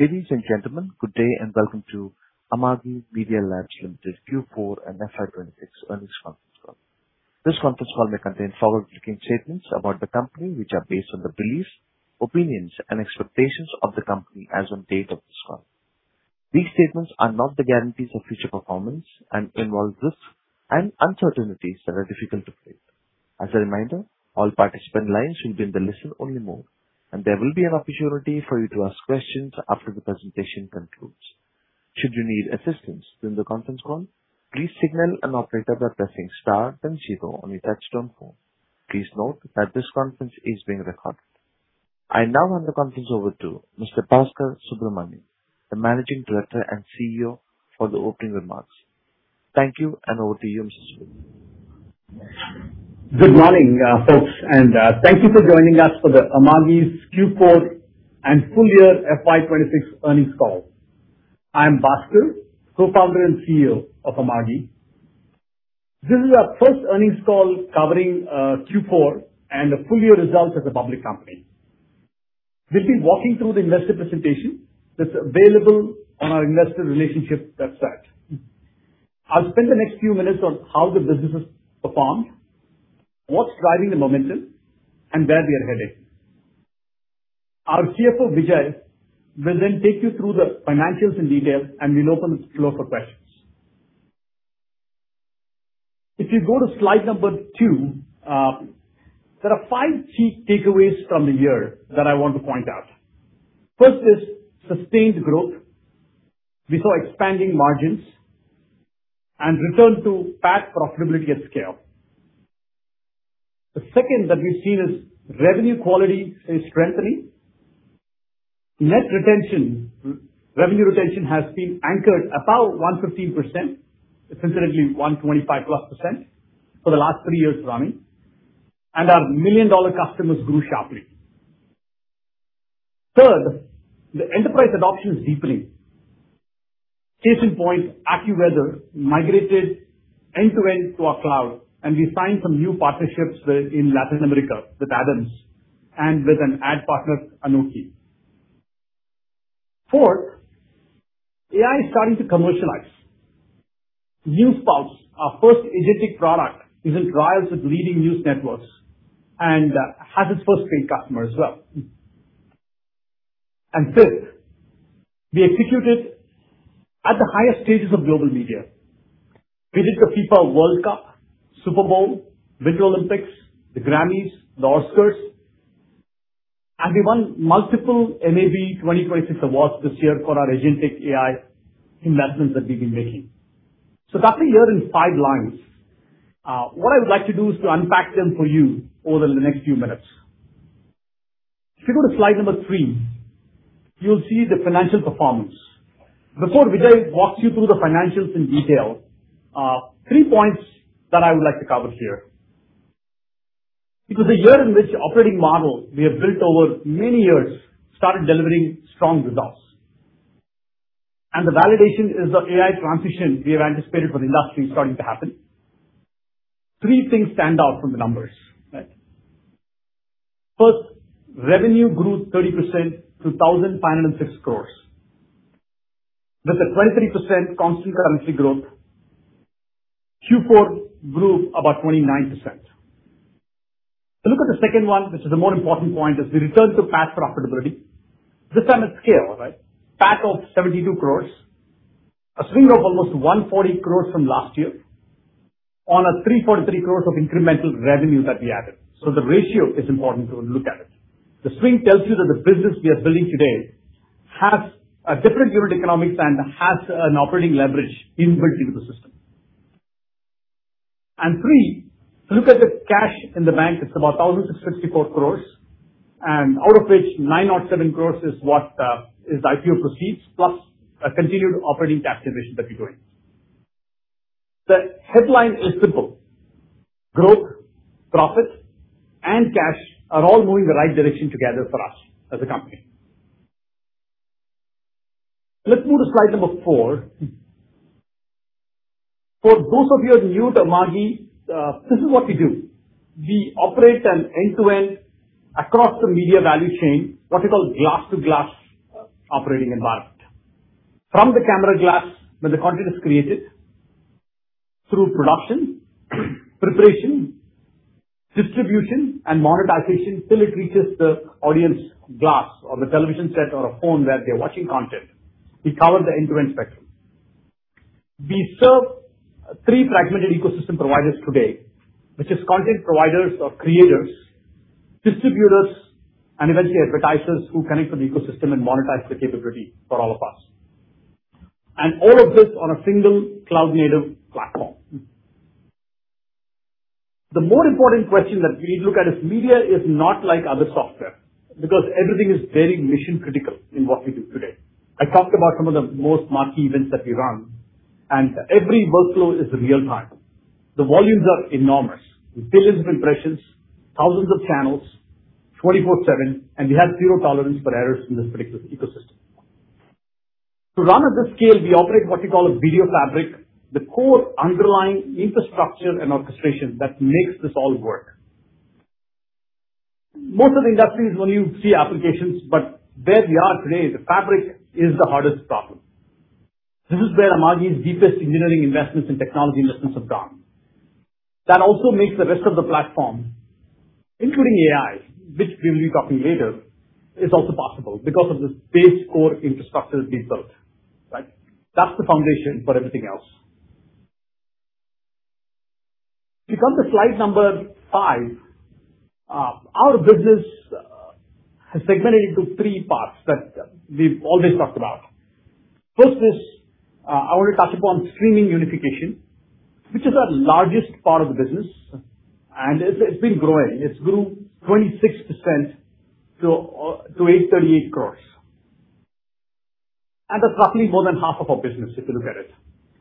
Ladies and gentlemen, good day and welcome to Amagi Media Labs Limited Q4 and FY 2026 earnings conference call. This conference call may contain forward-looking statements about the company, which are based on the beliefs, opinions and expectations of the company as on date of this call. These statements are not the guarantees of future performance and involve risks and uncertainties that are difficult to predict. As a reminder, all participant lines will be in the listen-only mode and there will be an opportunity for you to ask questions after the presentation concludes. Should you need assistance during the conference call, please signal an operator by pressing star then zero on your touchtone phone. Please note that this conference is being recorded. I now hand the conference over to Mr. Baskar Subramanian, the Managing Director and CEO for the opening remarks. Thank you and over to you, Mr. Subramani. Good morning, folks, thank you for joining us for the Amagi's Q4 and full year FY 2026 earnings call. I'm Baskar, Co-founder and CEO of Amagi. This is our first earnings call covering Q4 and the full year results as a public company. We'll be walking through the investor presentation that's available on our investor relationship website. I'll spend the next few minutes on how the business has performed, what's driving the momentum, and where we are heading. Our CFO, Vijay, will then take you through the financials in detail, and we'll open the floor for questions. If you go to slide number two, there are 5 key takeaways from the year that I want to point out. First is sustained growth. We saw expanding margins and return to path profitability at scale. The second that we've seen is revenue quality is strengthening. Net retention, revenue retention has been anchored above 115%. It's incidentally 125%+ for the last 3 years running. Our million-dollar customers grew sharply. Third, the enterprise adoption is deepening. Case in point, AccuWeather migrated end-to-end to our cloud and we signed some new partnerships in Latin America with ADAMS and with an ad partner, Anoki. Fourth, AI is starting to commercialize. NEWSPULSE, our first agentic product, is in trials with leading news networks and has its first paying customer as well. Fifth, we executed at the highest stages of global media. We did the FIFA World Cup, Super Bowl, Winter Olympics, the Grammy Awards, the Academy Awards, and we won multiple NAB Show 2026 awards this year for our agentic AI investments that we've been making. That's a year in 5 lines. What I would like to do is to unpack them for you over the next few minutes. If you go to slide number three, you'll see the financial performance. Before Vijay walks you through the financials in detail, 3 points that I would like to cover here. It was a year in which the operating model we have built over many years started delivering strong results. The validation is the AI transition we have anticipated for the industry is starting to happen. 3 things stand out from the numbers, right? First, revenue grew 30% to 1,506 crores. With a 23% constant currency growth, Q4 grew about 29%. If you look at the second one, this is the more important point, is the return to path profitability. This time at scale, right? PAT of 72 crores. A swing of almost 140 crores from last year on a 3.3 crores of incremental revenue that we added. The ratio is important to look at it. The swing tells you that the business we are building today has a different unit economics and has an operating leverage inbuilt into the system. Three, if you look at the cash in the bank, it's about 1,664 crores, and out of which 907 crores is the IPO proceeds, plus a continued operating cash generation that we're doing. The headline is simple. Growth, profit, and cash are all moving the right direction together for us as a company. Let's move to slide number four. For those of you who are new to Amagi, this is what we do. We operate an end-to-end across the media value chain, what we call glass-to-glass operating environment. From the camera glass when the content is created, through production, preparation, distribution, and monetization till it reaches the audience glass or the television set or a phone where they're watching content. We cover the end-to-end spectrum. We serve three fragmented ecosystem providers today, which is content providers or creators, distributors, and eventually advertisers who connect to the ecosystem and monetize the capability for all of us. All of this on a single cloud-native platform. The more important question that we need to look at is media is not like other software because everything is very mission-critical in what we do today. I talked about some of the most marquee events that we run, and every workflow is real-time. The volumes are enormous. Billions of impressions, thousands of channels, 24/7, we have zero tolerance for errors in this particular ecosystem. To run at this scale, we operate what we call a video fabric, the core underlying infrastructure and orchestration that makes this all work. Most of the industries, when you see applications, but where we are today, the fabric is the hardest problem. This is where Amagi's deepest engineering investments and technology investments have gone. That also makes the rest of the platform, including AI, which we'll be talking later, is also possible because of this base core infrastructure being built. That's the foundation for everything else. If you come to slide number five. Our business has segmented into three parts that we've always talked about. First is, I want to touch upon streaming unification, which is our largest part of the business, and it's been growing. It's grew 26% to 838 crores. That's roughly more than half of our business, if you look at it.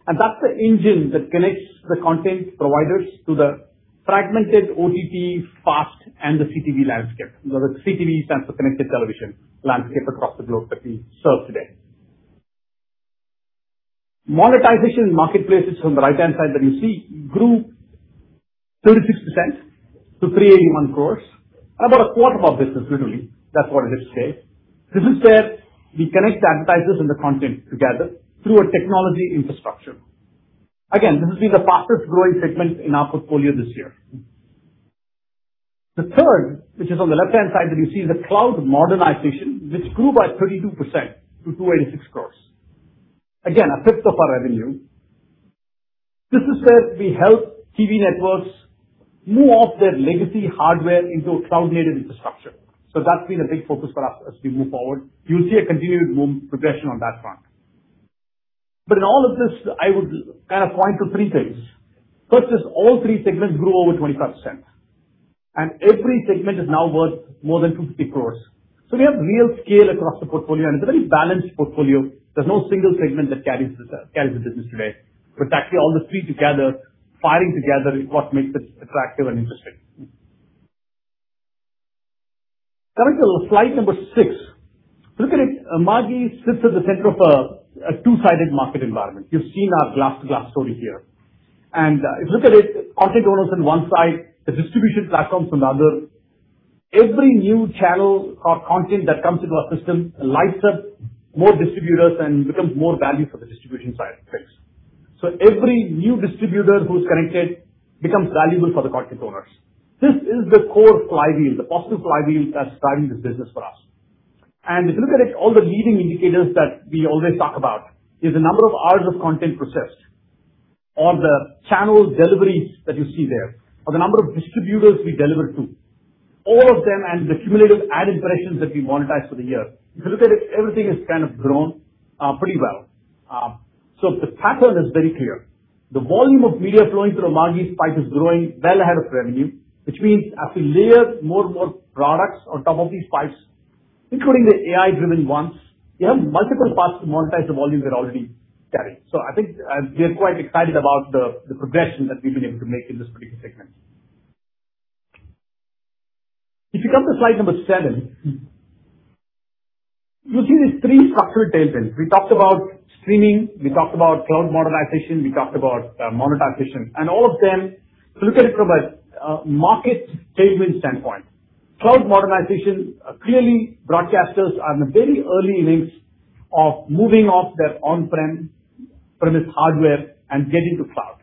That's the engine that connects the content providers to the fragmented OTT FAST and the CTV landscape. CTV stands for connected television landscape across the globe that we serve today. Monetization marketplaces on the right-hand side that you see grew 36% to 381 crores, about a quarter of our business literally, that's what it is today. This is where we connect advertisers and the content together through a technology infrastructure. Again, this has been the fastest-growing segment in our portfolio this year. The third, which is on the left-hand side that you see, the cloud modernization, which grew by 32% to 286 crores. Again, a fifth of our revenue. This is where we help TV networks move off their legacy hardware into a cloud-native infrastructure. That's been a big focus for us as we move forward. You'll see a continued progression on that front. In all of this, I would kind of point to three things. First, all three segments grew over 25%. Every segment is now worth more than 250 crores. We have real scale across the portfolio, and it's a very balanced portfolio. There's no single segment that carries the business today. Actually, all three together, firing together is what makes it attractive and interesting. Coming to slide number six. Look at it. Amagi sits at the center of a two-sided market environment. You've seen our glass-to-glass story here. If you look at it, content owners on one side, the distribution platforms on the other. Every new channel or content that comes into our system lights up more distributors and becomes more value for the distribution side of things. Every new distributor who's connected becomes valuable for the content owners. This is the core flywheel, the positive flywheel that's driving this business for us. If you look at it, all the leading indicators that we always talk about is the number of hours of content processed, or the channel deliveries that you see there, or the number of distributors we deliver to. All of them, and the cumulative ad impressions that we monetize for the year. If you look at it, everything has kind of grown pretty well. The pattern is very clear. The volume of media flowing through Amagi's pipe is growing well ahead of revenue, which means as we layer more and more products on top of these pipes, including the AI-driven ones, we have multiple paths to monetize the volume we're already carrying. I think we are quite excited about the progression that we've been able to make in this particular segment. If you come to slide number seven. You'll see these three structural tailwinds. We talked about streaming, we talked about cloud modernization, we talked about monetization. All of them, if you look at it from a market tailwind standpoint, cloud modernization, clearly broadcasters are in the very early innings of moving off their on-premise hardware and getting to cloud.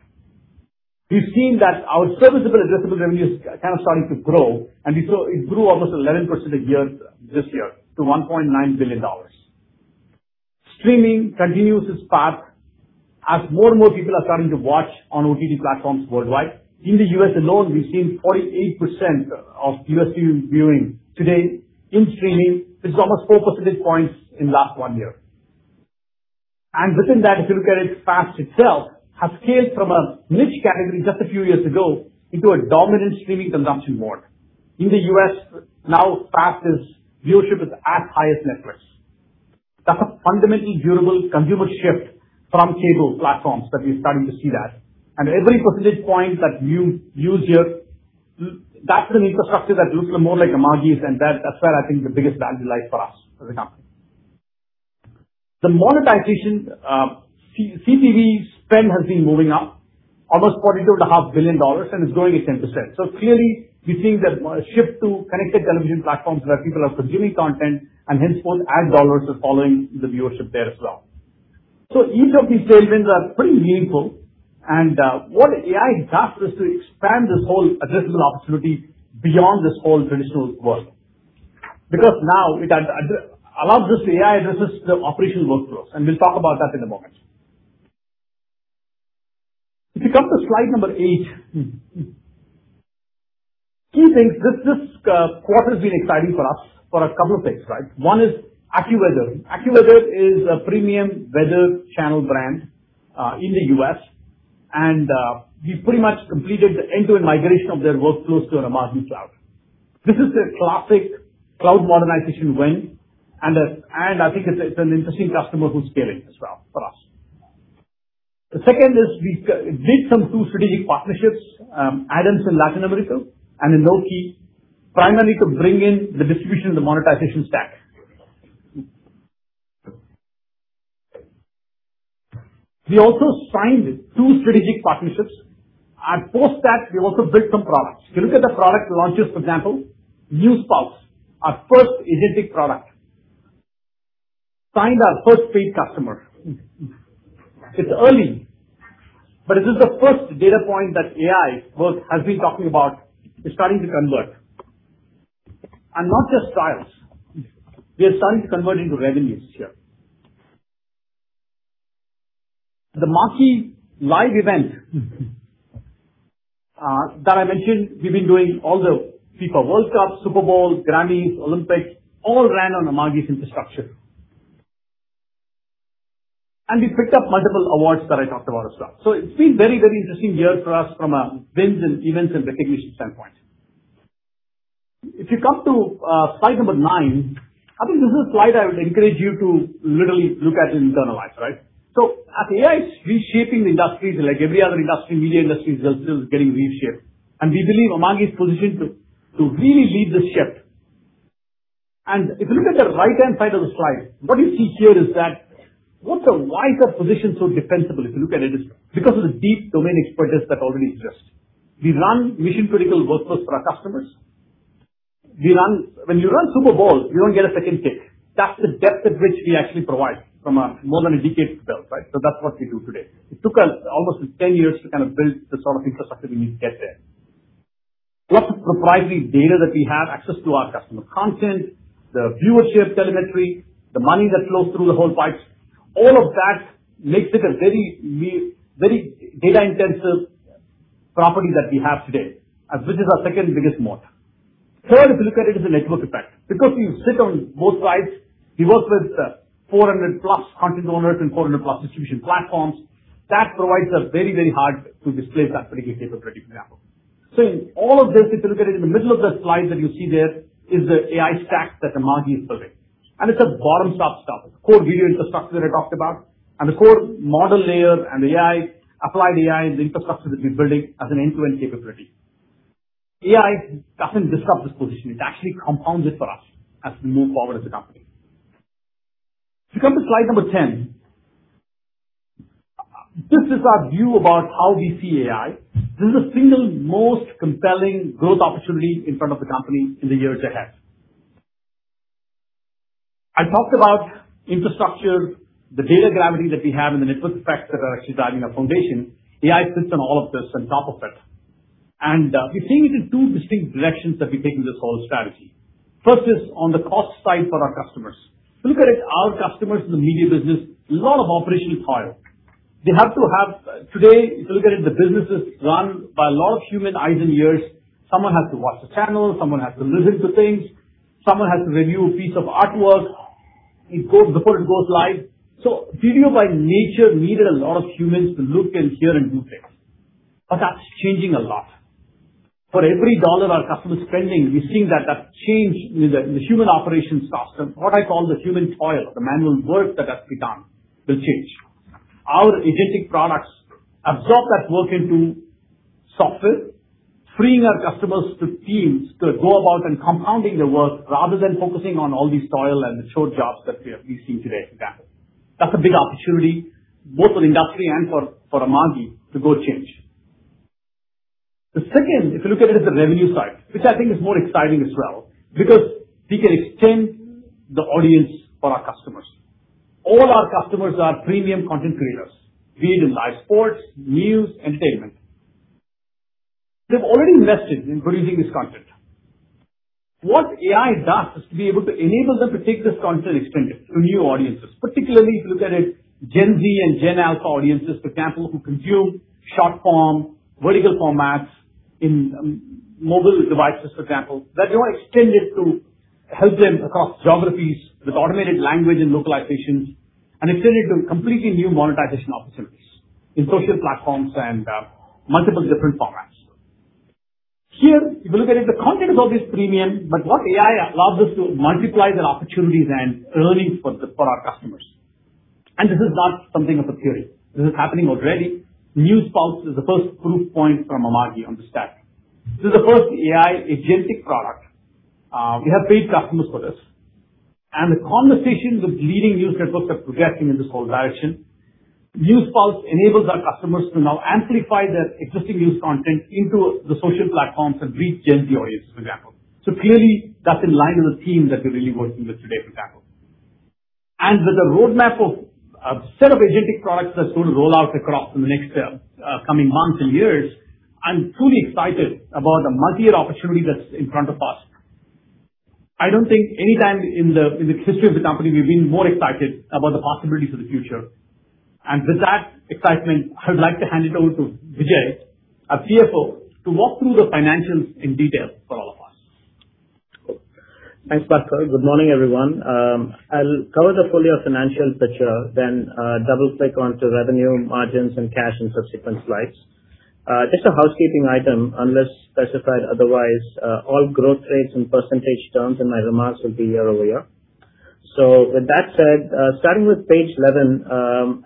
We've seen that our serviceable addressable revenue is kind of starting to grow, and it grew almost 11% a year this year to $1.9 billion. Streaming continues its path as more and more people are starting to watch on OTT platforms worldwide. In the U.S. alone, we're seeing 48% of U.S. viewing today in streaming, which is almost four percentage points in last one year. Within that, if you look at it, FAST itself has scaled from a niche category just a few years ago into a dominant streaming consumption model. In the U.S. now, FAST's viewership is at par with Netflix. That's a fundamentally durable consumer shift from cable platforms that we're starting to see that. Every percentage point that you lose here, that's an infrastructure that looks more like Amagi's, and that's where I think the biggest value lies for us as a company. The monetization, CTV spend has been moving up almost $42.5 billion, and it's growing at 10%. Clearly, we're seeing that shift to connected television platforms where people are consuming content, and henceforth, ad dollars are following the viewership there as well. Each of these tailwinds are pretty meaningful. What AI does is to expand this whole addressable opportunity beyond this whole traditional world. Now it allows this AI to address the operational workflows, and we'll talk about that in a moment. If you come to slide number eight. Two things. This quarter's been exciting for us for a couple of things. One is AccuWeather. AccuWeather is a premium weather channel brand in the U.S. We've pretty much completed the end-to-end migration of their workflows to an Amagi cloud. This is a classic cloud modernization win, and I think it's an interesting customer who's scaling as well for us. The second is we did some two strategic partnerships, ADAMS in Latin America and Anoki, primarily to bring in the distribution and the monetization stack. We also signed two strategic partnerships. Post that, we also built some products. If you look at the product launches, for example, NEWSPULSE, our first agentic product, signed our first paid customer. It's early, but this is the first data point that AI work has been talking about is starting to convert. Not just trials, we are starting to convert into revenues here. The Amagi LIVE event that I mentioned, we've been doing all the FIFA World Cup, Super Bowl, Grammys, Olympics, all ran on Amagi's infrastructure. We picked up multiple awards that I talked about as well. It's been very interesting year for us from a wins and events and recognition standpoint. If you come to slide number nine, I think this is a slide I would encourage you to literally look at and internalize. As AI is reshaping industries like every other industry, media industry is also getting reshaped. We believe Amagi is positioned to really lead this shift. If you look at the right-hand side of the slide, what you see here is that what's a wider position so defensible if you look at industry, because of the deep domain expertise that already exists. We run mission-critical workloads for our customers. When you run Super Bowl, you don't get a second take. That's the depth at which we actually provide from a more than a decade build. That's what we do today. It took us almost 10 years to build the sort of infrastructure we need to get there. Lots of proprietary data that we have access to our customer content, the viewer share telemetry, the money that flows through the whole pipes. All of that makes it a very data-intensive property that we have today, which is our second biggest moat. Third, if you look at it as a network effect, because we sit on both sides, we work with 400+ content owners and 400+ distribution platforms. That provides a very hard to displace that particular capability, for example. In all of this, if you look at it in the middle of the slide that you see there is the AI stack that Amagi is building. It's a bottom-up stack. Core video infrastructure that I talked about, the core model layer and applied AI is infrastructure that we're building as an end-to-end capability. AI doesn't disrupt this position. It actually compounds it for us as we move forward as a company. If you come to slide number 10, this is our view about how we see AI. This is the single most compelling growth opportunity in front of the company in the years ahead. I talked about infrastructure, the data gravity that we have, and the network effects that are actually driving our foundation. AI sits on all of this on top of it. We're seeing it in two distinct directions that we take in this whole strategy. First is on the cost side for our customers. If you look at it, our customers in the media business, lot of operational toil. Today, if you look at it, the business is run by a lot of human eyes and ears. Someone has to watch the channel, someone has to listen to things, someone has to review a piece of artwork before it goes live. Video by nature needed a lot of humans to look and hear and do things. That's changing a lot. For every INR our customer is spending, we're seeing that change in the human operations cost, and what I call the human toil, the manual work that has to be done, will change. Our agentic products absorb that work into software, freeing our customers to teams to go about and compounding their work rather than focusing on all these toil and the short jobs that we're seeing today, for example. That's a big opportunity both for the industry and for Amagi to go change. The second, if you look at it, is the revenue side, which I think is more exciting as well because we can extend the audience for our customers. All our customers are premium content creators, be it in live sports, news, entertainment. They've already invested in producing this content. What AI does is to be able to enable them to take this content and extend it to new audiences. Particularly, if you look at it, Gen Z and Gen Alpha audiences, for example, who consume short form, vertical formats in mobile devices, for example, that they want to extend it to help them across geographies with automated language and localizations, and extend it to completely new monetization opportunities in social platforms and multiple different formats. Here, if you look at it, the content is always premium, but what AI allows us to multiply the opportunities and earnings for our customers. This is not something of a theory. This is happening already. NEWSPULSE is the first proof point from Amagi on the stack. This is the first AI agentic product. We have paid customers for this. The conversations with leading news networks are progressing in this whole direction. NEWSPULSE enables our customers to now amplify their existing news content into the social platforms and reach Gen Z audience, for example. Clearly, that's in line with the theme that we're really working with today, for example. With a roadmap of a set of agentic products that's going to roll out across in the next coming months and years, I'm truly excited about the multi-year opportunity that's in front of us. I don't think any time in the history of the company we've been more excited about the possibilities of the future. With that excitement, I would like to hand it over to Vijay, our CFO, to walk through the financials in detail for all of us. Thanks, Baskar. Good morning, everyone. I'll cover the full-year financials picture, then double-click onto revenue margins and cash in subsequent slides. Just a housekeeping item, unless specified otherwise, all growth rates in percentage terms in my remarks will be year-over-year. With that said, starting with page 11,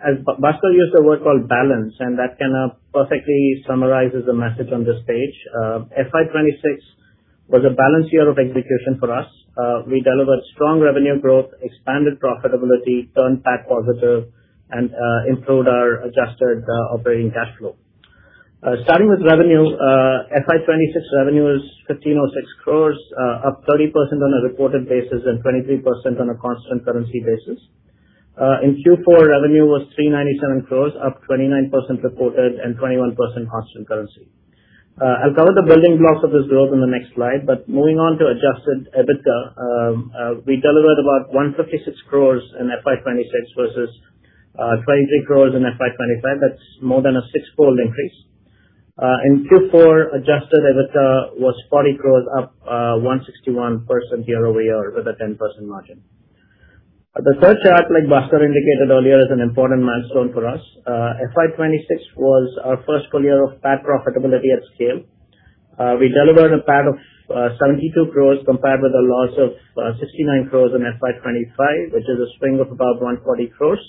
as Baskar used a word called balance, that kind of perfectly summarizes the message on this page. FY 2026 was a balanced year of execution for us. We delivered strong revenue growth, expanded profitability, turned PAT positive, and improved our adjusted operating cash flow. Starting with revenue, FY 2026 revenue is 1,506 crore, up 30% on a reported basis and 23% on a constant currency basis. In Q4, revenue was 397 crore, up 29% reported and 21% constant currency. I'll cover the building blocks of this growth in the next slide, but moving on to adjusted EBITDA. We delivered about 156 crore in FY 2026 versus 23 crore in FY 2025. That's more than a six-fold increase. In Q4, adjusted EBITDA was 40 crore, up 161% year-over-year with a 10% margin. The third chart, like Baskar indicated earlier, is an important milestone for us. FY 2026 was our first full year of PAT profitability at scale. We delivered a PAT of 72 crore compared with a loss of 69 crore in FY 2025, which is a swing of about 140 crore.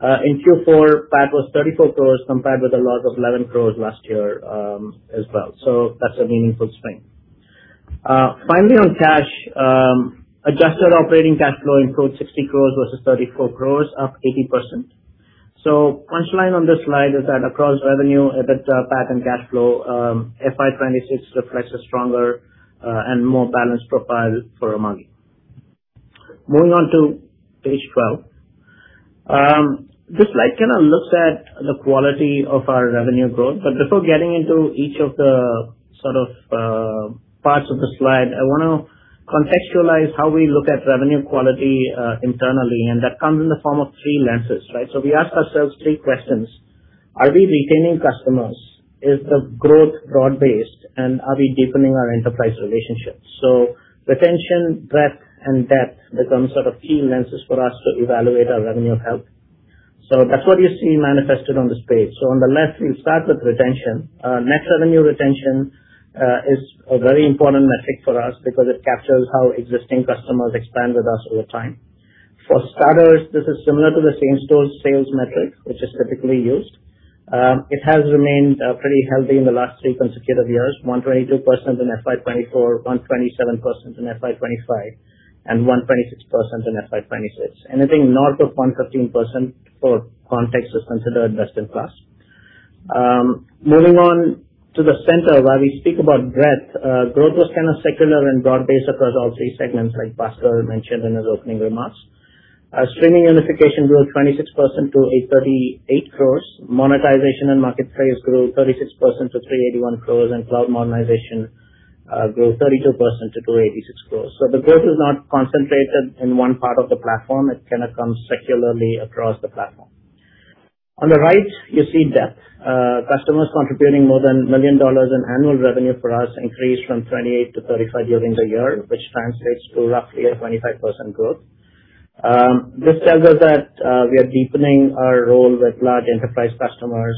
In Q4, PAT was 34 crore compared with a loss of 11 crore last year as well. That's a meaningful swing. Finally, on cash, adjusted operating cash flow improved 60 crore versus 34 crore, up 80%. Punchline on this slide is that across revenue, EBITDA, PAT, and cash flow, FY 2026 reflects a stronger and more balanced profile for Amagi. Moving on to page 12. This slide kind of looks at the quality of our revenue growth. Before getting into each of the sort of parts of the slide, I want to contextualize how we look at revenue quality internally, and that comes in the form of three lenses, right? We ask ourselves three questions: Are we retaining customers? Is the growth broad-based, and are we deepening our enterprise relationships? Retention, breadth, and depth become sort of key lenses for us to evaluate our revenue health. That's what you see manifested on this page. On the left, we start with retention. Net revenue retention is a very important metric for us because it captures how existing customers expand with us over time. For starters, this is similar to the same-store sales metric, which is typically used. It has remained pretty healthy in the last three consecutive years, 122% in FY 2024, 127% in FY 2025, and 126% in FY 2026. Anything north of 115%, for context, is considered best in class. Moving on to the center, where we speak about breadth. Growth was kind of secular and broad-based across all three segments, like Baskar mentioned in his opening remarks. Streaming unification grew 26% to 838 crore. Monetization and marketplace grew 36% to 381 crore, and cloud modernization grew 32% to 286 crore. The growth is not concentrated in one part of the platform. It kind of comes secularly across the platform. On the right, you see depth. Customers contributing more than $1 million in annual revenue for us increased from 28 to 35 year-over-year, which translates to roughly a 25% growth. This tells us that we are deepening our role with large enterprise customers,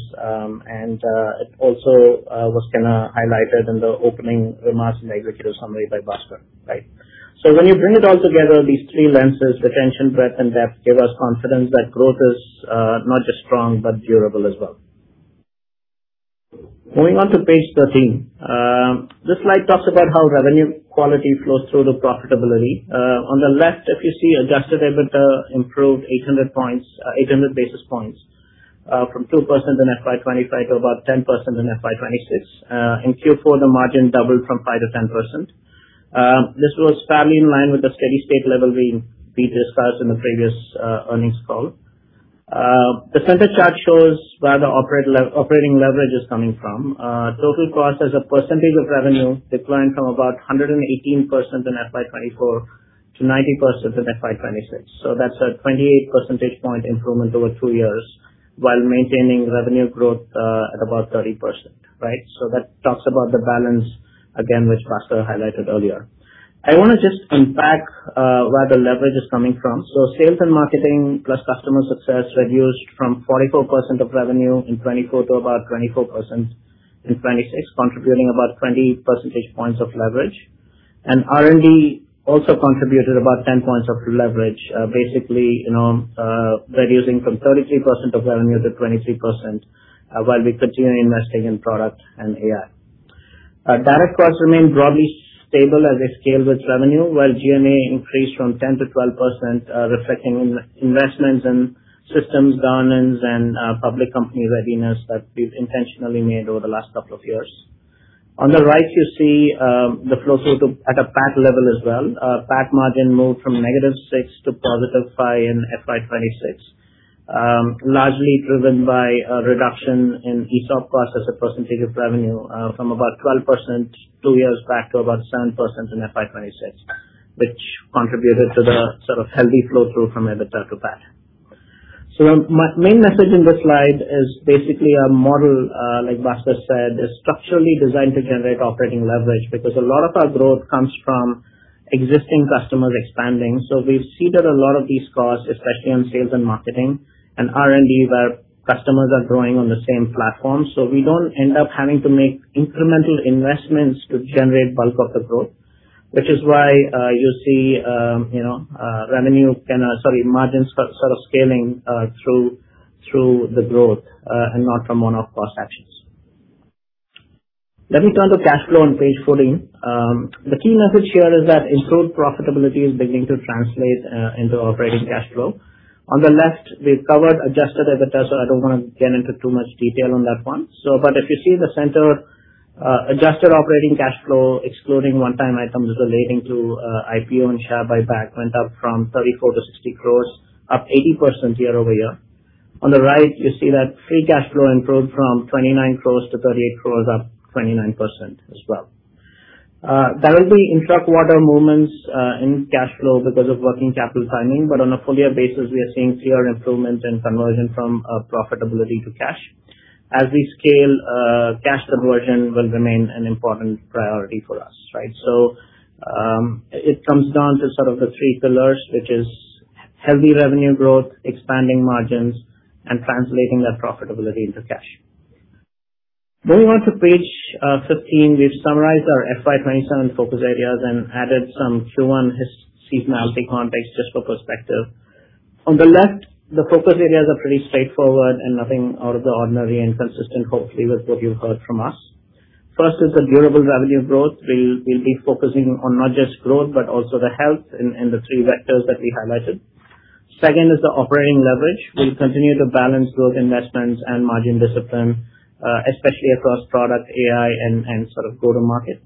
and it also was kind of highlighted in the opening remarks in the executive summary by Baskar, right? When you bring it all together, these three lenses, retention, breadth, and depth, give us confidence that growth is not just strong but durable as well. Moving on to page 13. This slide talks about how revenue quality flows through to profitability. On the left, if you see, adjusted EBITDA improved 800 basis points from 2% in FY 2025 to about 10% in FY 2026. In Q4, the margin doubled from 5% to 10%. This was fairly in line with the steady state level we discussed in the previous earnings call. The center chart shows where the operating leverage is coming from. Total cost as a percentage of revenue declined from about 118% in FY 2024 to 90% in FY 2026. That's a 28 percentage point improvement over two years while maintaining revenue growth at about 30%, right? That talks about the balance, again, which Baskar highlighted earlier. I want to just unpack where the leverage is coming from. Sales and marketing plus customer success reduced from 44% of revenue in 2024 to about 24% in 2026, contributing about 20 percentage points of leverage. R&D also contributed about 10 points of leverage. Basically, reducing from 33% of revenue to 23% while we continue investing in product and AI. Direct costs remain broadly stable as they scale with revenue, while G&A increased from 10% to 12%, reflecting investments in systems governance and public company readiness that we've intentionally made over the last couple of years. On the right, you see the flow through at a PAT level as well. PAT margin moved from -6% to +5% in FY 2026, largely driven by a reduction in ESOP costs as a percentage of revenue from about 12% two years back to about 7% in FY 2026, which contributed to the sort of healthy flow through from EBITDA to PAT. My main message in this slide is basically our model, like Baskar said, is structurally designed to generate operating leverage because a lot of our growth comes from existing customers expanding. We've seeded a lot of these costs, especially on sales and marketing and R&D, where customers are growing on the same platform. We don't end up having to make incremental investments to generate bulk of the growth. Which is why you see margins sort of scaling through the growth and not from one-off cost actions. Let me turn to cash flow on page 14. The key message here is that improved profitability is beginning to translate into operating cash flow. On the left, we've covered adjusted EBITDA, so I don't want to get into too much detail on that one. If you see the center, adjusted operating cash flow, excluding one-time items relating to IPO and share buyback, went up from 34 crore to 60 crore, up 80% year-over-year. On the right, you see that free cash flow improved from 29 crore to 38 crore, up 29% as well. There will be intra-quarter movements in cash flow because of working capital timing, on a full year basis, we are seeing clear improvements in conversion from profitability to cash. As we scale, cash conversion will remain an important priority for us. It comes down to sort of the three pillars, which is heavy revenue growth, expanding margins, and translating that profitability into cash. Moving on to page 15, we've summarized our FY 2027 focus areas and added some Q1 seasonality context just for perspective. On the left, the focus areas are pretty straightforward and nothing out of the ordinary and consistent, hopefully, with what you've heard from us. First is the durable revenue growth. We'll be focusing on not just growth, but also the health in the three vectors that we highlighted. Second is the operating leverage. We'll continue to balance growth investments and margin discipline, especially across product, AI, and go-to-market.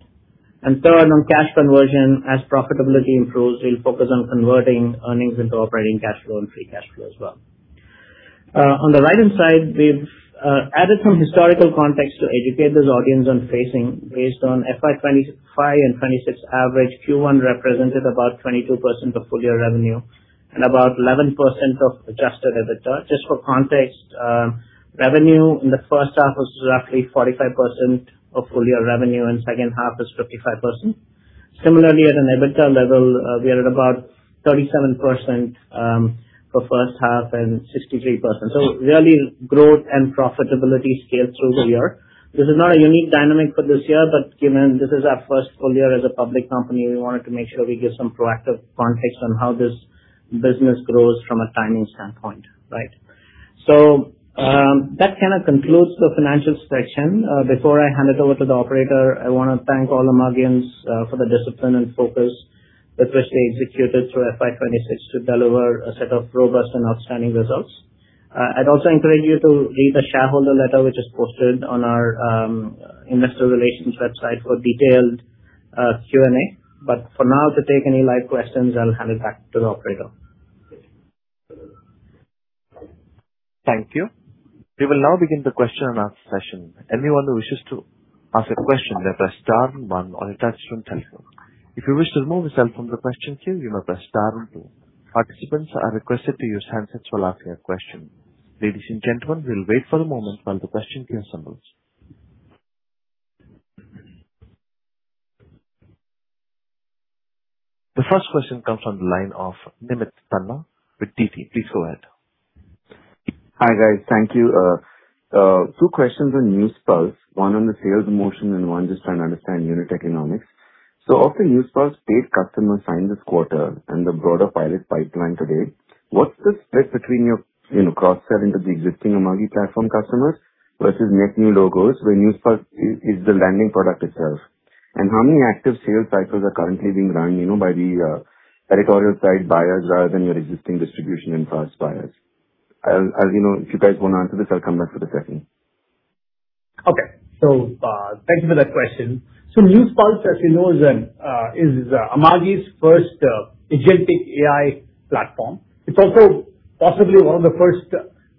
Third, on cash conversion, as profitability improves, we'll focus on converting earnings into operating cash flow and free cash flow as well. On the right-hand side, we've added some historical context to educate this audience based on FY 2025 and 2026 average. Q1 represented about 22% of full year revenue and about 11% of adjusted EBITDA. Just for context, revenue in the first half was roughly 45% of full year revenue, and second half is 55%. Similarly, at an EBITDA level, we are at about 37% for first half and 63%. Really growth and profitability scale through the year. This is not a unique dynamic for this year, but given this is our first full year as a public company, we wanted to make sure we give some proactive context on how this business grows from a timing standpoint. That kind of concludes the financial section. Before I hand it over to the operator, I want to thank all Amagians for the discipline and focus with which they executed through FY 2026 to deliver a set of robust and outstanding results. I'd also encourage you to read the shareholder letter, which is posted on our investor relations website for detailed Q&A. For now, to take any live questions, I'll hand it back to the operator. Thank you. We will now begin the question and answer session. Anyone who wishes to ask a question, press star 1 on your touch-tone telephone. If you wish to remove yourself from the question queue, you may press star 2. Participants are requested to use handsets while asking a question. Ladies and gentlemen, we'll wait for a moment while the question queue assembles. The first question comes from the line of Nimit Tanna with TD. Please go ahead. Hi, guys. Thank you. Two questions on NEWSPULSE, one on the sales motion and one just trying to understand unit economics. Of the NEWSPULSE paid customers signed this quarter and the broader pilot pipeline today, what's the split between your cross-selling to the existing Amagi platform customers versus net new logos where NEWSPULSE is the landing product itself? How many active sales cycles are currently being run by the editorial side buyers rather than your existing distribution and trust buyers? If you guys want to answer this, I'll come back with the second. Thanks for that question. NEWSPULSE, as you know, is Amagi's first agentic AI platform. It's also possibly one of the first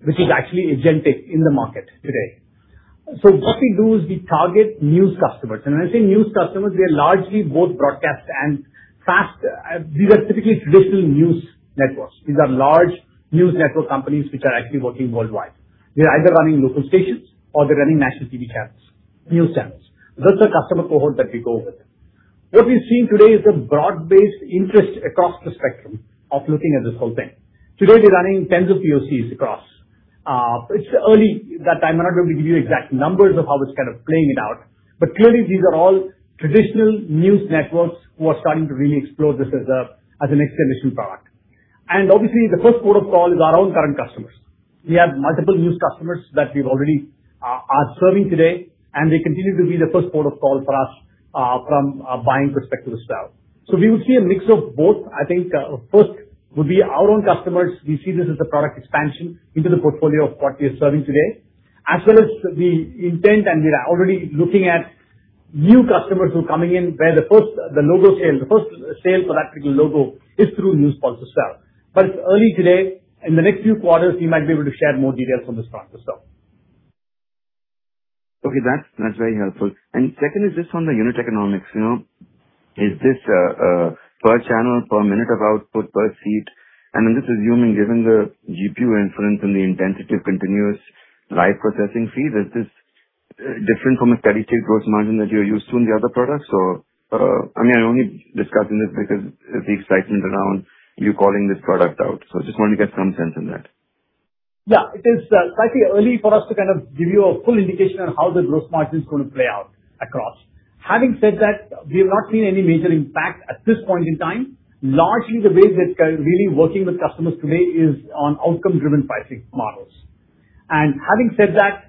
which is actually agentic in the market today. What we do is we target news customers. When I say news customers, they are largely both broadcast and FAST. These are typically traditional news networks. These are large news network companies which are actually working worldwide. They're either running local stations or they're running national TV channels, news channels. That's the customer cohort that we go with. What we've seen today is the broad-based interest across the spectrum of looking at this whole thing. Today, we're running tens of POCs across. It's early that I'm not going to be giving you exact numbers of how it's kind of playing it out. Clearly, these are all traditional news networks who are starting to really explore this as an extension product. Obviously, the first port of call is our own current customers. We have multiple news customers that we already are serving today, and they continue to be the first port of call for us from a buying perspective as well. We will see a mix of both. I think first would be our own customers. We see this as a product expansion into the portfolio of what we are serving today, as well as the intent, and we are already looking at new customers who are coming in where the first sale for that particular logo is through NEWSPULSE itself. It's early today. In the next few quarters, we might be able to share more details on this front ourself. Second is just on the unit economics. Is this per channel, per minute of output, per seat? I'm just assuming, given the GPU inference and the intensity of continuous live processing feed, is this different from a steady state gross margin that you're used to in the other products? I'm only discussing this because of the excitement around you calling this product out. I just want to get some sense on that. Yeah, it is slightly early for us to give you a full indication on how the gross margin is going to play out across. Having said that, we have not seen any major impact at this point in time. Largely, the way we are really working with customers today is on outcome-driven pricing models. Having said that,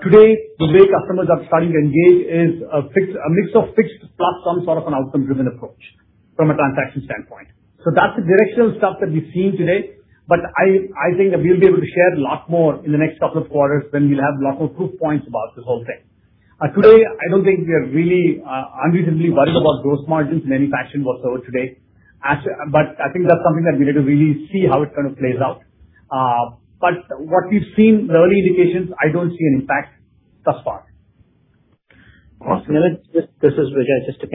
today, the way customers are starting to engage is a mix of fixed plus some sort of an outcome-driven approach from a transaction standpoint. That's the directional stuff that we're seeing today. I think that we'll be able to share a lot more in the next couple of quarters when we'll have a lot more proof points about this whole thing. Today, I don't think we are really unreasonably worried about gross margins in any fashion whatsoever today. I think that's something that we need to really see how it plays out. What we've seen, the early indications, I don't see an impact thus far. Awesome. This is Vijay. Just to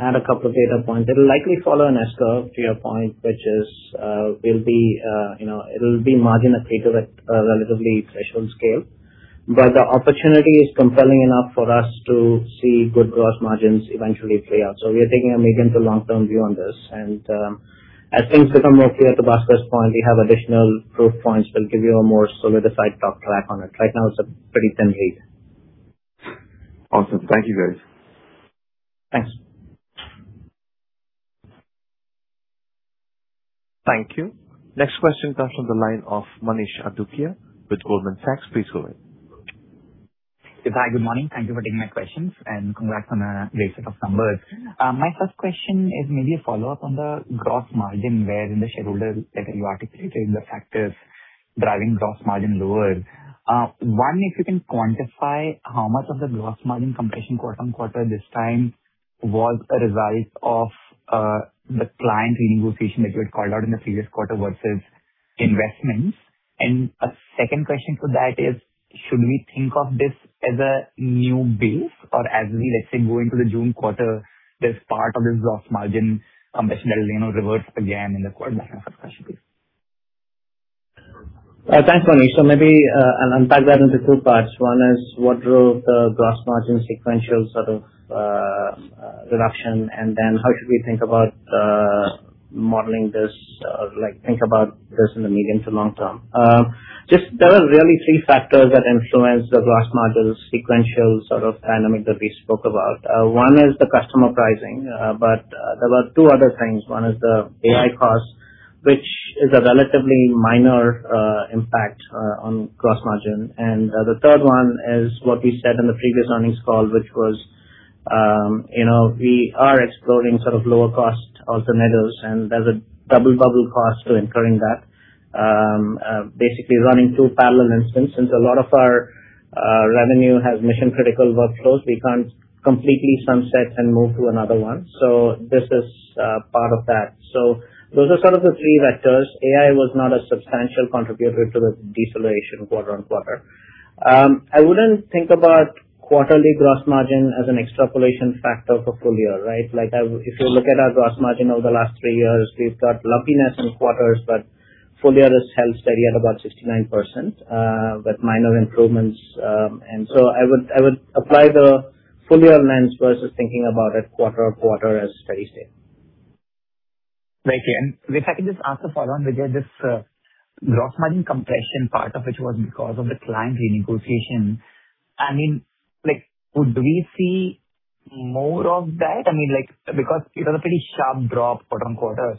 add a couple of data points. It'll likely follow an S-curve to your point, which is it'll be margin accretive at a relatively threshold scale. The opportunity is compelling enough for us to see good gross margins eventually play out. We are taking a medium to long term view on this. As things become more clear, to Baskar's point, we have additional proof points, we'll give you a more solidified top track on it. Right now, it's a pretty thin lead. Awesome. Thank you, guys. Thanks. Thank you. Next question comes from the line of Manish Adukia with Goldman Sachs. Please go ahead. Hi, good morning. Thank you for taking my questions. Congrats on a great set of numbers. My first question is maybe a follow-up on the gross margin, where in the schedule that you articulated the factors driving gross margin lower. One, if you can quantify how much of the gross margin compression quarter-on-quarter this time was a result of the client renegotiation that you had called out in the previous quarter versus investments. A second question to that is, should we think of this as a new base or as we, let's say, go into the June quarter, this part of the gross margin compression will reverse again in the quarter? Thanks, Manish. Maybe I'll unpack that into two parts. One is what drove the gross margin sequential sort of reduction. Then how should we think about modeling this, think about this in the medium to long term. There are really three factors that influence the gross margin sequential sort of dynamic that we spoke about. One is the customer pricing. There were two other things. One is the AI cost, which is a relatively minor impact on gross margin. The third one is what we said on the previous earnings call, which was we are exploring lower cost alternatives, and there's a double bubble cost to incurring that. Basically running two parallel instances. A lot of our revenue has mission-critical workflows. We can't completely sunset and move to another one. This is part of that. Those are sort of the three vectors. AI was not a substantial contributor to the deceleration quarter-on-quarter. I wouldn't think about quarterly gross margin as an extrapolation factor for full year, right? If you look at our gross margin over the last three years, we've got lumpiness in quarters, but full year has held steady at about 69%, with minor improvements. I would apply the full year lens versus thinking about it quarter-on-quarter as steady state. Very clear. If I could just ask a follow on, Vijay. This gross margin compression, part of which was because of the client renegotiation. Would we see more of that? Because it was a pretty sharp drop quarter-on-quarter.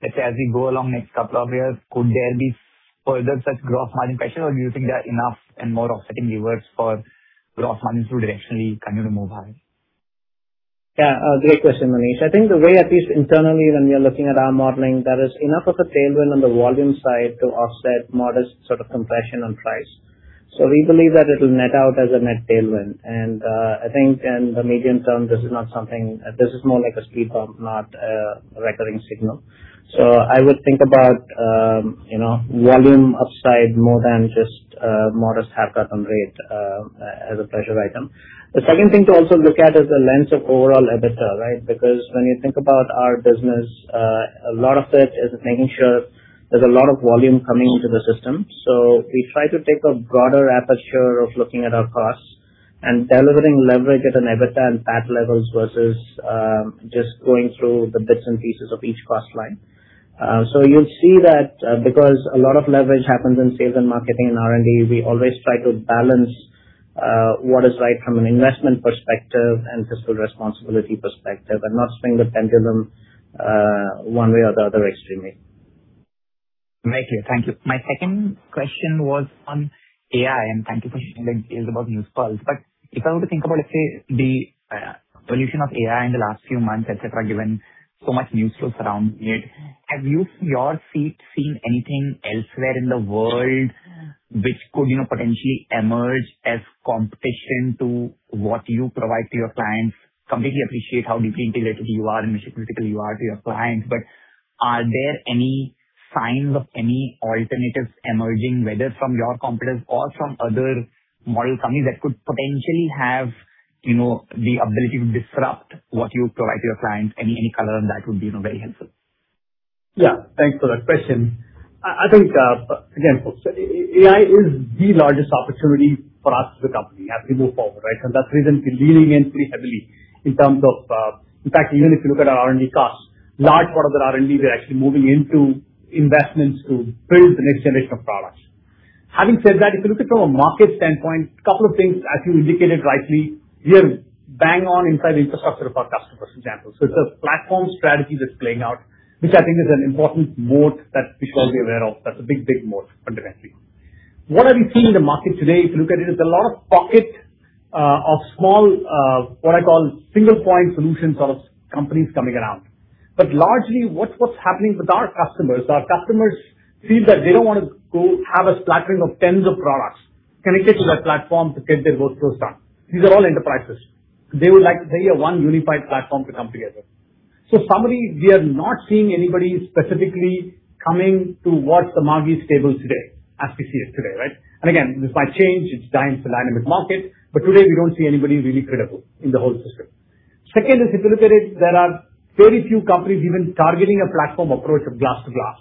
Let's say, as we go along next couple of years, could there be further such gross margin pressure, or do you think there are enough and more offsetting levers for gross margin to directionally continue to move high? Great question, Manish. I think the way, at least internally, when we are looking at our modeling, there is enough of a tailwind on the volume side to offset modest compression on price. We believe that it'll net out as a net tailwind, I think in the medium term, this is more like a speed bump, not a recurring signal. I would think about volume upside more than just modest haircut on rate as a pressure item. The second thing to also look at is the lens of overall EBITDA, right? Because when you think about our business, a lot of it is making sure there's a lot of volume coming into the system. We try to take a broader aperture of looking at our costs and delivering leverage at an EBITDA and PAT levels versus just going through the bits and pieces of each cost line. You'll see that because a lot of leverage happens in sales and marketing and R&D, we always try to balance what is right from an investment perspective and fiscal responsibility perspective and not swing the pendulum one way or the other extremely. Very clear. Thank you. Thank you for sharing the details about NEWSPULSE. If I were to think about, let's say, the evolution of AI in the last few months, et cetera, given so much news flow surrounding it, have you, from your seat, seen anything elsewhere in the world which could potentially emerge as competition to what you provide to your clients? Completely appreciate how deeply integrated you are and mission-critical you are to your clients, are there any signs of any alternatives emerging, whether from your competitors or from other model companies that could potentially have the ability to disrupt what you provide to your clients? Any color on that would be very helpful. Yeah, thanks for that question. I think, again, AI is the largest opportunity for us as a company as we move forward, right? That's the reason we're leaning in pretty heavily in fact, even if you look at our R&D costs, large part of that R&D, we're actually moving into investments to build the next generation of products. Having said that, if you look at it from a market standpoint, couple of things, as you indicated rightly, we are bang on inside the infrastructure of our customers, for example. It's a platform strategy that's playing out, which I think is an important moat that we should all be aware of. That's a big, big moat fundamentally. What are we seeing in the market today, if you look at it, is a lot of pocket of small, what I call single point solution sort of companies coming around. Largely, what's happening with our customers, our customers feel that they don't want to go have a splattering of tens of products connected to their platform to get their workflows done. These are all enterprises. They would like to have one unified platform to come together. Summary, we are not seeing anybody specifically coming towards Amagi stable today, as we see it today. Again, this might change. It's dynamic, it's a dynamic market. Today, we don't see anybody really credible in the whole system. Second is, if you look at it, there are very few companies even targeting a platform approach of glass-to-glass.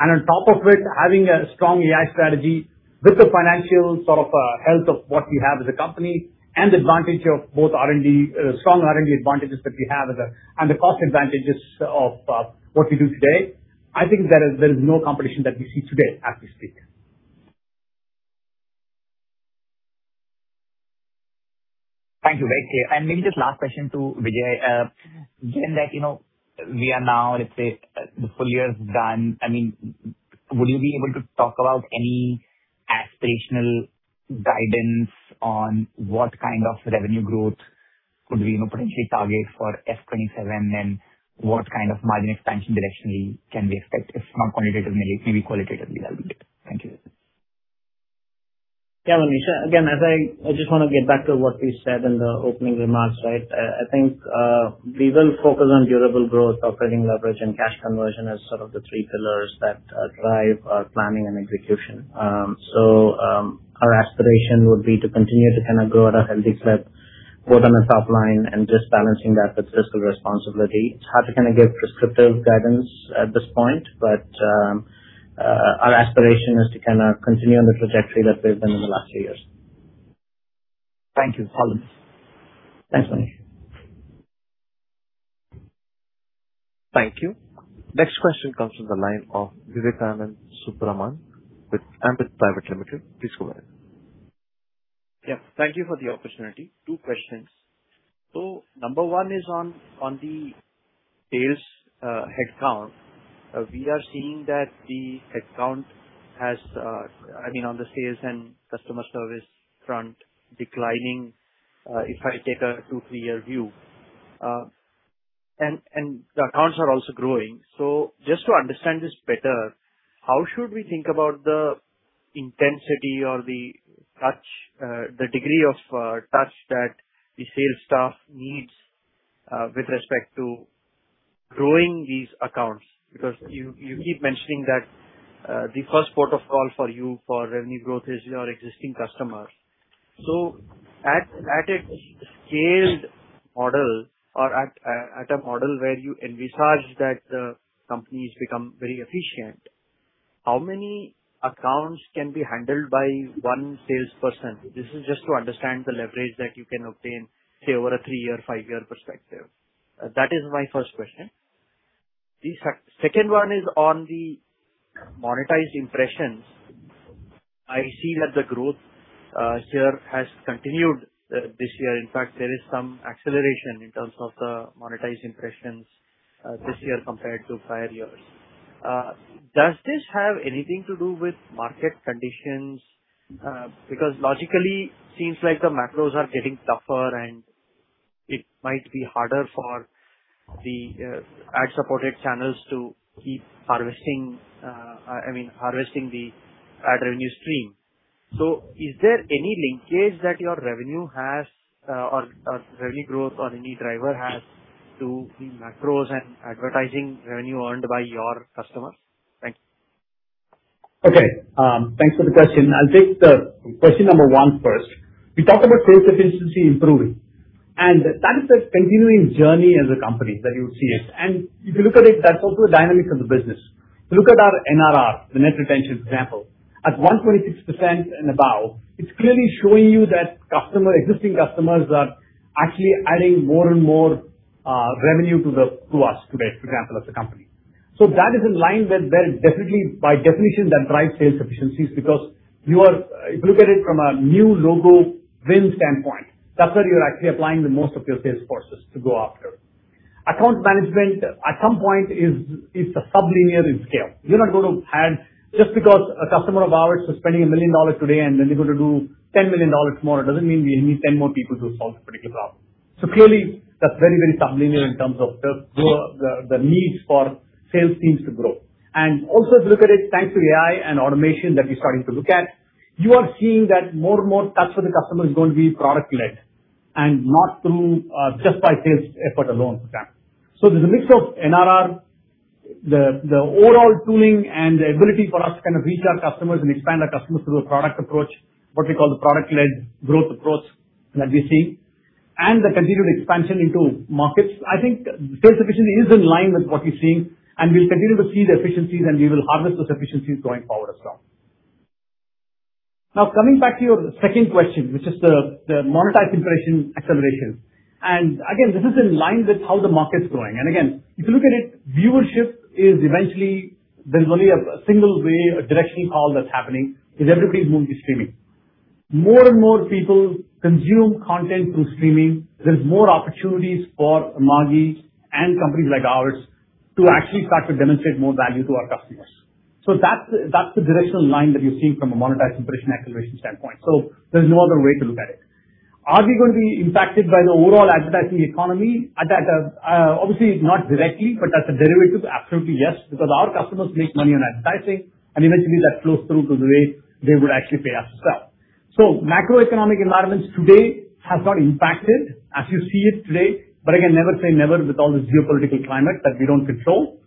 On top of it, having a strong AI strategy with the financial health of what we have as a company, and advantage of both R&D, strong R&D advantages that we have, and the cost advantages of what we do today. I think there is no competition that we see today as we speak. Thank you. Maybe just last question to Vijay. Given that we are now, let's say, the full year is done, would you be able to talk about any aspirational guidance on what kind of revenue growth could we potentially target for FY 2027, and what kind of margin expansion directionally can we expect? If not quantitatively, maybe qualitatively that'll be good. Thank you. Yeah, Manish. Again, I just want to get back to what we said in the opening remarks. I think we will focus on durable growth, operating leverage, and cash conversion as sort of the three pillars that drive our planning and execution. Our aspiration would be to continue to kind of grow at a healthy clip, both on the top line and just balancing that with fiscal responsibility. It's hard to give prescriptive guidance at this point, but our aspiration is to continue on the trajectory that we've been in the last few years. Thank you. Thanks, Manish. Thank you. Next question comes from the line of Vivek Raman Subramani with Ambit Private Limited. Please go ahead. Yeah. Thank you for the opportunity. Two questions. Number 1 is on the sales headcount. We are seeing that the headcount on the sales and customer service front declining, if I take a two, three-year view. The accounts are also growing. Just to understand this better, how should we think about the intensity or the touch, the degree of touch that the sales staff needs with respect to growing these accounts? Because you keep mentioning that the first port of call for you for revenue growth is your existing customers. At a scaled model or at a model where you envisage that the company's become very efficient, how many accounts can be handled by one salesperson? This is just to understand the leverage that you can obtain, say, over a three-year, five-year perspective. That is my first question. The second one is on the monetized impressions. I see that the growth here has continued this year. In fact, there is some acceleration in terms of the monetized impressions this year compared to prior years. Does this have anything to do with market conditions? Because logically, seems like the macros are getting tougher, and it might be harder for the ad-supported channels to keep harvesting the ad revenue stream. Is there any linkage that your revenue has or revenue growth or any driver has to macros and advertising revenue earned by your customers? Thank you. Okay. Thanks for the question. I'll take the question number 1 first. We talked about sales efficiency improving, that is a continuing journey as a company that you see it. If you look at it, that's also the dynamics of the business. If you look at our NRR, the net retention, for example, at one point six% and above, it's clearly showing you that existing customers are actually adding more and more revenue to us today, for example, as a company. That is in line with that definitely by definition that drives sales efficiencies because if you look at it from a new logo win standpoint, that's where you're actually applying the most of your sales forces to go after. Account management, at some point is sublinear in scale. You're not going to add just because a customer of ours was spending $1 million today and then they're going to do $10 million more, it doesn't mean we need 10 more people to solve a particular problem. Clearly, that's very, very sublinear in terms of the needs for sales teams to grow. Also, if you look at it, thanks to AI and automation that we're starting to look at, you are seeing that more and more touch with the customer is going to be product-led and not through just by sales effort alone, for example. There's a mix of NRR, the overall tooling, and the ability for us to kind of reach our customers and expand our customers through a product approach, what we call the product-led growth approach that we're seeing, and the continued expansion into markets. I think sales efficiency is in line with what we're seeing, and we'll continue to see the efficiencies, and we will harvest those efficiencies going forward as well. Now, coming back to your second question, which is the monetized impression acceleration. Again, this is in line with how the market's going. Again, if you look at it, viewership is eventually, there's only a single way, a directional call that's happening, is everybody's moving to streaming. More and more people consume content through streaming. There's more opportunities for Amagi and companies like ours to actually start to demonstrate more value to our customers. That's the directional line that you're seeing from a monetized impression acceleration standpoint. There's no other way to look at it. Are we going to be impacted by the overall advertising economy? Obviously, not directly, but as a derivative, absolutely yes, because our customers make money on advertising and eventually that flows through to the way they would actually pay us as well. Macroeconomic environments today have not impacted as you see it today. Again, never say never with all this geopolitical climate that we don't control.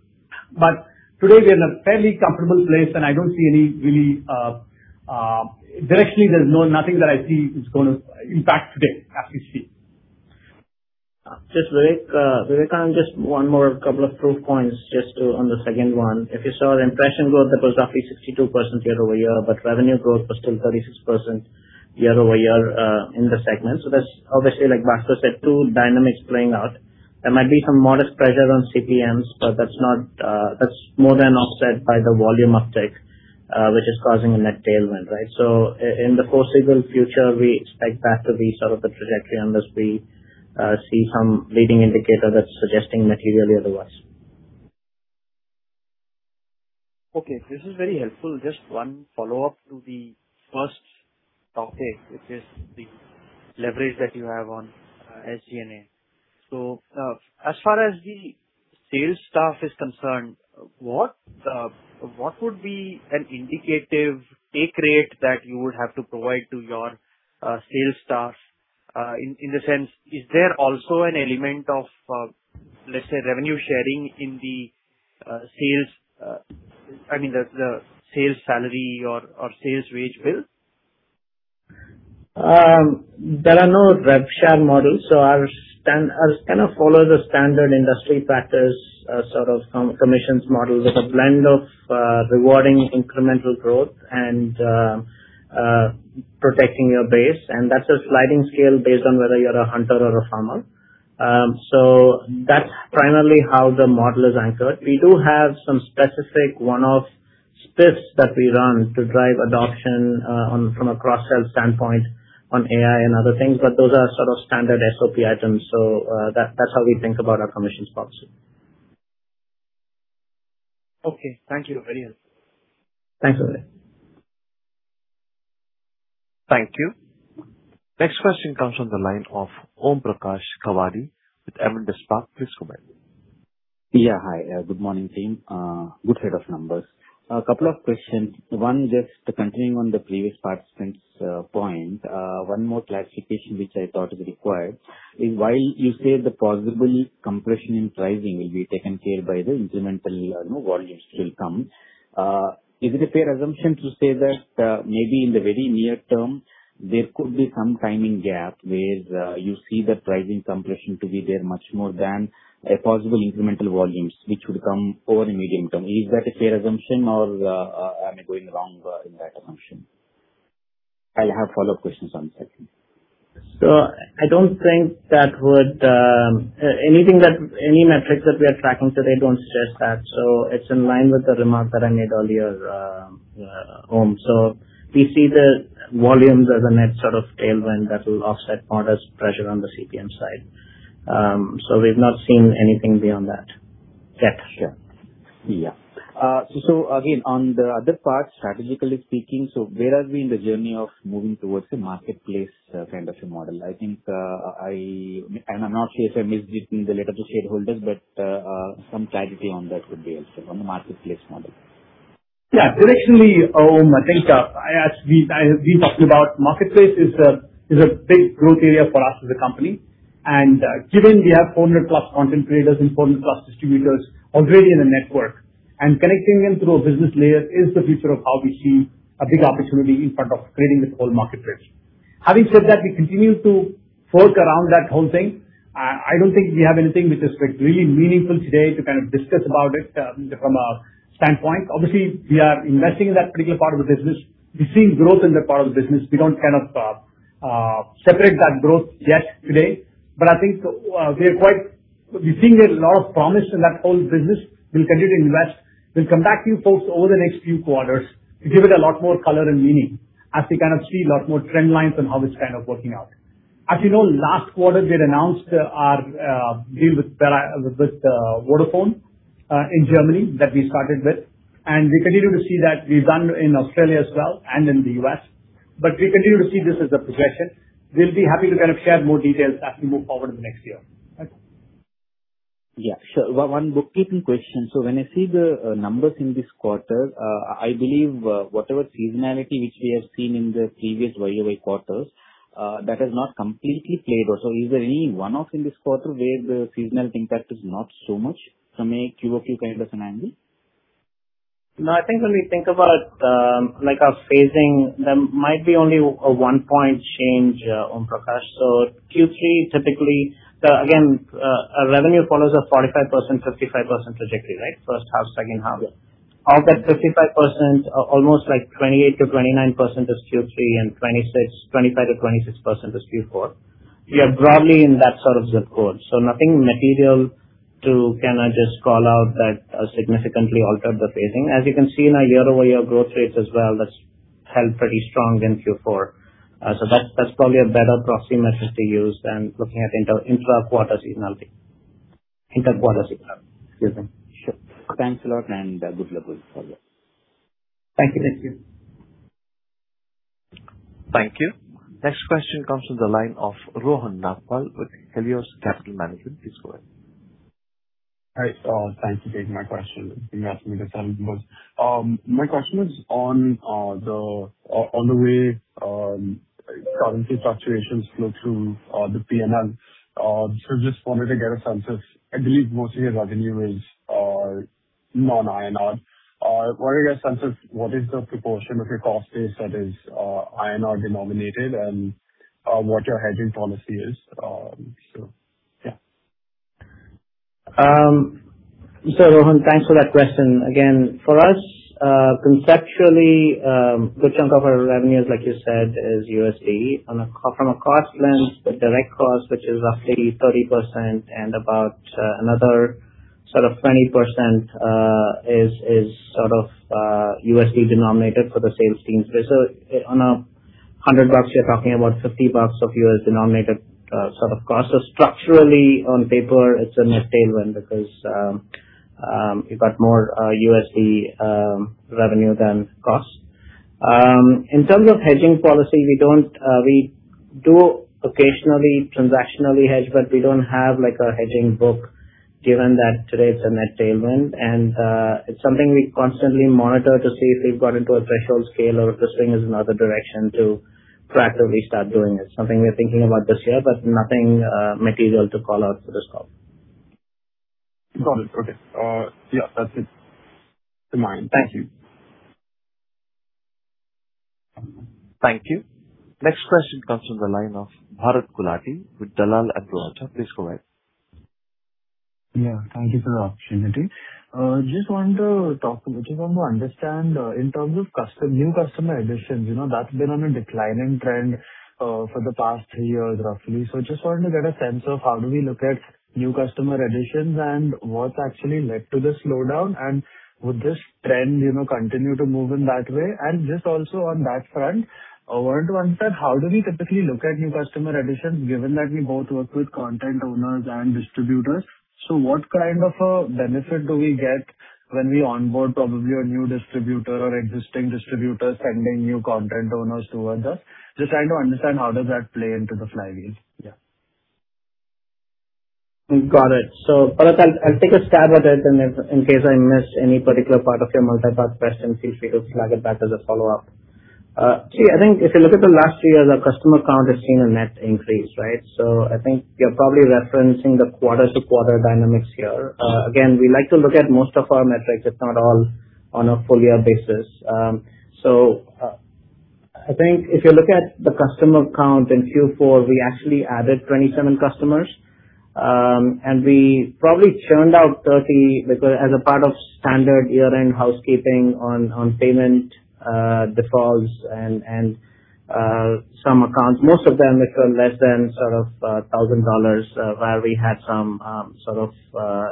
Today, we are in a fairly comfortable place, and I don't see any really. Directionally, there's nothing that I see is going to impact today as we speak. Just Vivek. Vivek, and just one more couple of quick points just on the second one. If you saw impression growth, that was roughly 62% year-over-year, but revenue growth was still 36% year-over-year, in the segment. That's obviously, like Baskar said, two dynamics playing out. There might be some modest pressure on CPMs, but that's more than offset by the volume uptick, which is causing a net tailwind, right? In the foreseeable future, we expect that to be sort of the trajectory unless we see some leading indicator that's suggesting materially otherwise. Okay, this is very helpful. Just one follow-up to the first topic, which is the leverage that you have on SG&A. As far as the sales staff is concerned, what would be an indicative take rate that you would have to provide to your sales staff? In the sense, is there also an element of, let's say, revenue sharing in the sales salary or sales wage bill? There are no rev share models. Our standard kind of follows the standard industry practice, sort of commissions model with a blend of rewarding incremental growth and protecting your base, and that's a sliding scale based on whether you're a hunter or a farmer. That's primarily how the model is anchored. We do have some specific one-off spiffs that we run to drive adoption from a cross-sell standpoint on AI and other things, but those are sort of standard SOP items. That's how we think about our commissions policy. Okay. Thank you. Very helpful. Thanks, Vivek. Thank you. Next question comes from the line of Om Prakash Kawadi with Avendus Wealth. Please go ahead. Yeah. Hi, good morning team. Good set of numbers. A couple of questions. One, just continuing on the previous participant's point, one more clarification, which I thought is required, is while you say the possible compression in pricing will be taken care of by the incremental volumes will come, is it a fair assumption to say that maybe in the very near term, there could be some timing gap, whereas you see the pricing compression to be there much more than a possible incremental volumes which would come over the medium term. Is that a fair assumption, or am I going wrong in that assumption? I'll have follow-up questions on the second. I don't think that would Any metrics that we are tracking today don't suggest that. It's in line with the remark that I made earlier, Om. We see the volumes as a net sort of tailwind that will offset modest pressure on the CPM side. We've not seen anything beyond that yet. Sure. Yeah. Again, on the other part, strategically speaking, where are we in the journey of moving towards a marketplace kind of a model? I'm not sure if I missed it in the letter to shareholders, but some clarity on that would be helpful on the marketplace model. Yeah. Directionally, Om, I think as we talked about, marketplace is a big growth area for us as a company. Given we have 400 plus content creators and 400 plus distributors already in the network and connecting them through a business layer is the future of how we see a big opportunity in front of creating this whole marketplace. Having said that, we continue to fork around that whole thing. I don't think we have anything which is really meaningful today to kind of discuss about it from a standpoint. Obviously, we are investing in that particular part of the business. We're seeing growth in that part of the business. We don't kind of separate that growth yet today. I think we're seeing a lot of promise in that whole business. We'll continue to invest. We'll come back to you folks over the next few quarters to give it a lot more color and meaning as we kind of see a lot more trend lines on how it's kind of working out. As you know, last quarter we had announced our deal with Vodafone in Germany that we started with, and we continue to see that we've done in Australia as well and in the U.S. We continue to see this as a progression. We'll be happy to kind of share more details as we move forward in the next year. Yeah, sure. One bookkeeping question. When I see the numbers in this quarter, I believe whatever seasonality which we have seen in the previous year-over-year quarters, that has not completely played out. Is there any one-off in this quarter where the seasonal impact is not so much from a quarter-over-quarter kind of an angle? No, I think when we think about our phasing, there might be only a one-point change, Om Prakash. Q3 typically, again, our revenue follows a 45%, 55% trajectory, right? First half, second half. Of that 55%, almost 28%-29% is Q3 and 25%-26% is Q4. We are broadly in that sort of zip code, so nothing material to kind of just call out that significantly altered the phasing. As you can see in our year-over-year growth rates as well, that's held pretty strong in Q4. That's probably a better proxy metric to use than looking at intra-quarter seasonality. Inter-quarter seasonality. Excuse me. Sure. Thanks a lot, and good luck with it further. Thank you, Nikhil. Thank you. Next question comes from the line of Rohan Nagpal with Helios Capital Management. Please go ahead. Hi. Thanks for taking my question. You asked me this time because my question is on the way currency fluctuations flow through the P&L. I just wanted to get a sense of, I believe most of your revenue is non-INR. Wanted to get a sense of what is the proportion of your cost base that is INR denominated and what your hedging policy is. Yeah. Rohan, thanks for that question. For us, conceptually, a good chunk of our revenue, like you said, is USD. From a cost lens, the direct cost, which is roughly 30% and about another sort of 20%, is sort of USD denominated for the sales team. On 100 bucks, you're talking about 50 bucks of U.S. denominated sort of cost. Structurally, on paper, it's a net tailwind because you've got more USD revenue than cost. In terms of hedging policy, we do occasionally transactionally hedge, but we don't have a hedging book given that today it's a net tailwind. It's something we constantly monitor to see if we've got into a threshold scale or if this thing is in another direction to proactively start doing it. Something we're thinking about this year, but nothing material to call out for this call. Got it. Okay. That's it for mine. Thank you. Thank you. Next question comes from the line of Bharat Gulati with Dalal & Broacha. Please go ahead. Thank you for the opportunity. Just want to understand in terms of new customer additions, that's been on a declining trend for the past three years, roughly. Just wanted to get a sense of how do we look at new customer additions and what's actually led to the slowdown, and would this trend continue to move in that way? Just also on that front, I wanted to understand, how do we typically look at new customer additions, given that we both work with content owners and distributors. What kind of a benefit do we get when we onboard probably a new distributor or existing distributors sending new content owners towards us? Just trying to understand how does that play into the flywheel. Got it. Bharat, I'll take a stab at it, and if in case I miss any particular part of your multi-part question, feel free to flag it back as a follow-up. I think if you look at the last three years, our customer count has seen a net increase, right? I think you're probably referencing the quarter-to-quarter dynamics here. Again, we like to look at most of our metrics, if not all, on a full-year basis. I think if you look at the customer count in Q4, we actually added 27 customers. We probably churned out 30 as a part of standard year-end housekeeping on payment defaults and some accounts, most of them which are less than sort of $1,000, where we had some sort of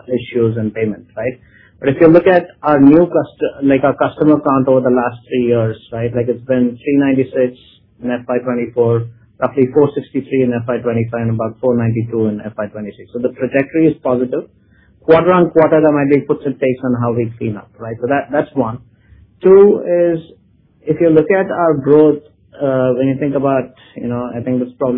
issues in payments, right? If you look at our customer count over the last three years, it's been 396 in FY 2024, roughly 463 in FY 2023, and about 492 in FY 2022. The trajectory is positive. Quarter on quarter, there might be puts and takes on how we clean up, right? That's one. Two is, if you look at our growth, when you think about full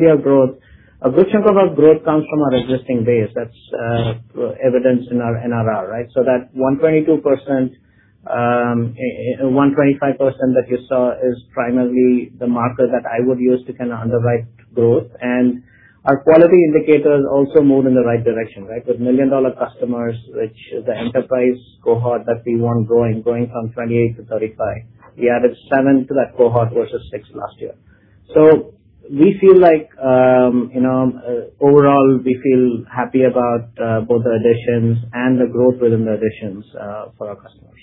year growth, a good chunk of our growth comes from our existing base. That's evidenced in our NRR, right? That 122%, 125% that you saw is primarily the marker that I would use to kind of underwrite growth. Our quality indicators also move in the right direction, right? With million-dollar customers, which is the enterprise cohort that we want growing from 28 to 35. We added 7 to that cohort versus 6 last year. We feel like overall we feel happy about both the additions and the growth within the additions for our customers.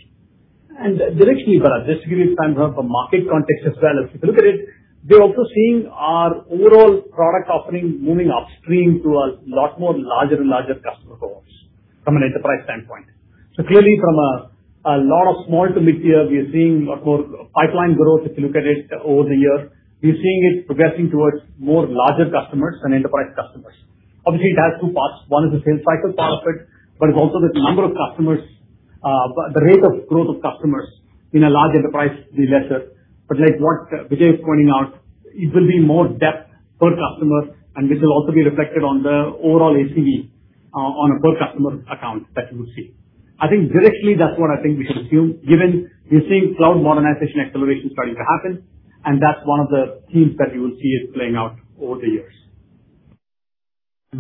Directly, Bharat, just to give you a sense of market context as well. If you look at it, we're also seeing our overall product offering moving upstream to a lot more larger and larger customer cohorts from an enterprise standpoint. Clearly from a lot of small to mid-tier, we are seeing a lot more pipeline growth if you look at it over the year. We're seeing it progressing towards more larger customers and enterprise customers. Obviously, it has two parts. One is the sales cycle part of it's also the number of customers. The rate of growth of customers in a large enterprise will be lesser. Like what Vijay was pointing out, it will be more depth per customer, and this will also be reflected on the overall ACV on a per customer account that you will see. I think directly that's what I think we should assume given we're seeing cloud modernization acceleration starting to happen, and that's one of the themes that you will see it playing out over the years.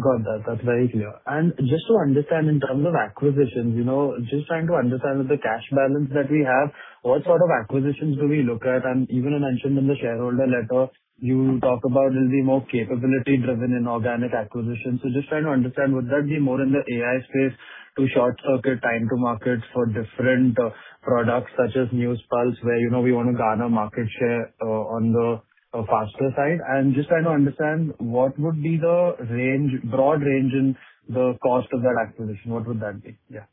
Got that. That's very clear. Just to understand in terms of acquisitions, just trying to understand with the cash balance that we have, what sort of acquisitions do we look at? Even you mentioned in the shareholder letter, you talk about it'll be more capability-driven inorganic acquisitions. Just trying to understand, would that be more in the AI space to short-circuit time to market for different products such as NEWSPULSE, where we want to gain our market share on the faster side? Just trying to understand what would be the broad range in the cost of that acquisition. What would that be? Yeah.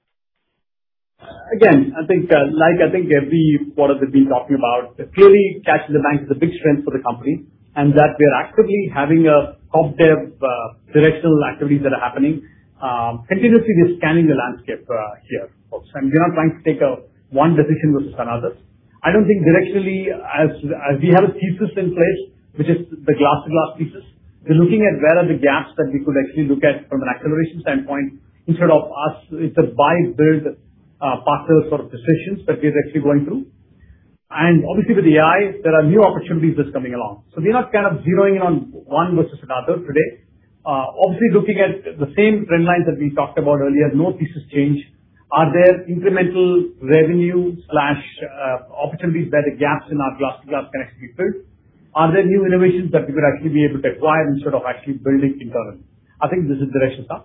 Again, I think every quarter we've been talking about, clearly cash in the bank is a big strength for the company, and that we are actively having a CorpDev directional activities that are happening. Continuously we're scanning the landscape here also, and we are not trying to take one decision versus another. I don't think directionally as we have a thesis in place, which is the glass-to-glass thesis. We're looking at where are the gaps that we could actually look at from an acceleration standpoint instead of It's a buy, build, partner sort of decisions that we're actually going through. Obviously with AI, there are new opportunities just coming along. We are not zeroing in on one versus another today. Obviously, looking at the same trend lines that we talked about earlier, no thesis change. Are there incremental revenue/opportunities where the gaps in our glass-to-glass can actually be filled? Are there new innovations that we could actually be able to acquire instead of actually building internally? I think this is the direction, Sam.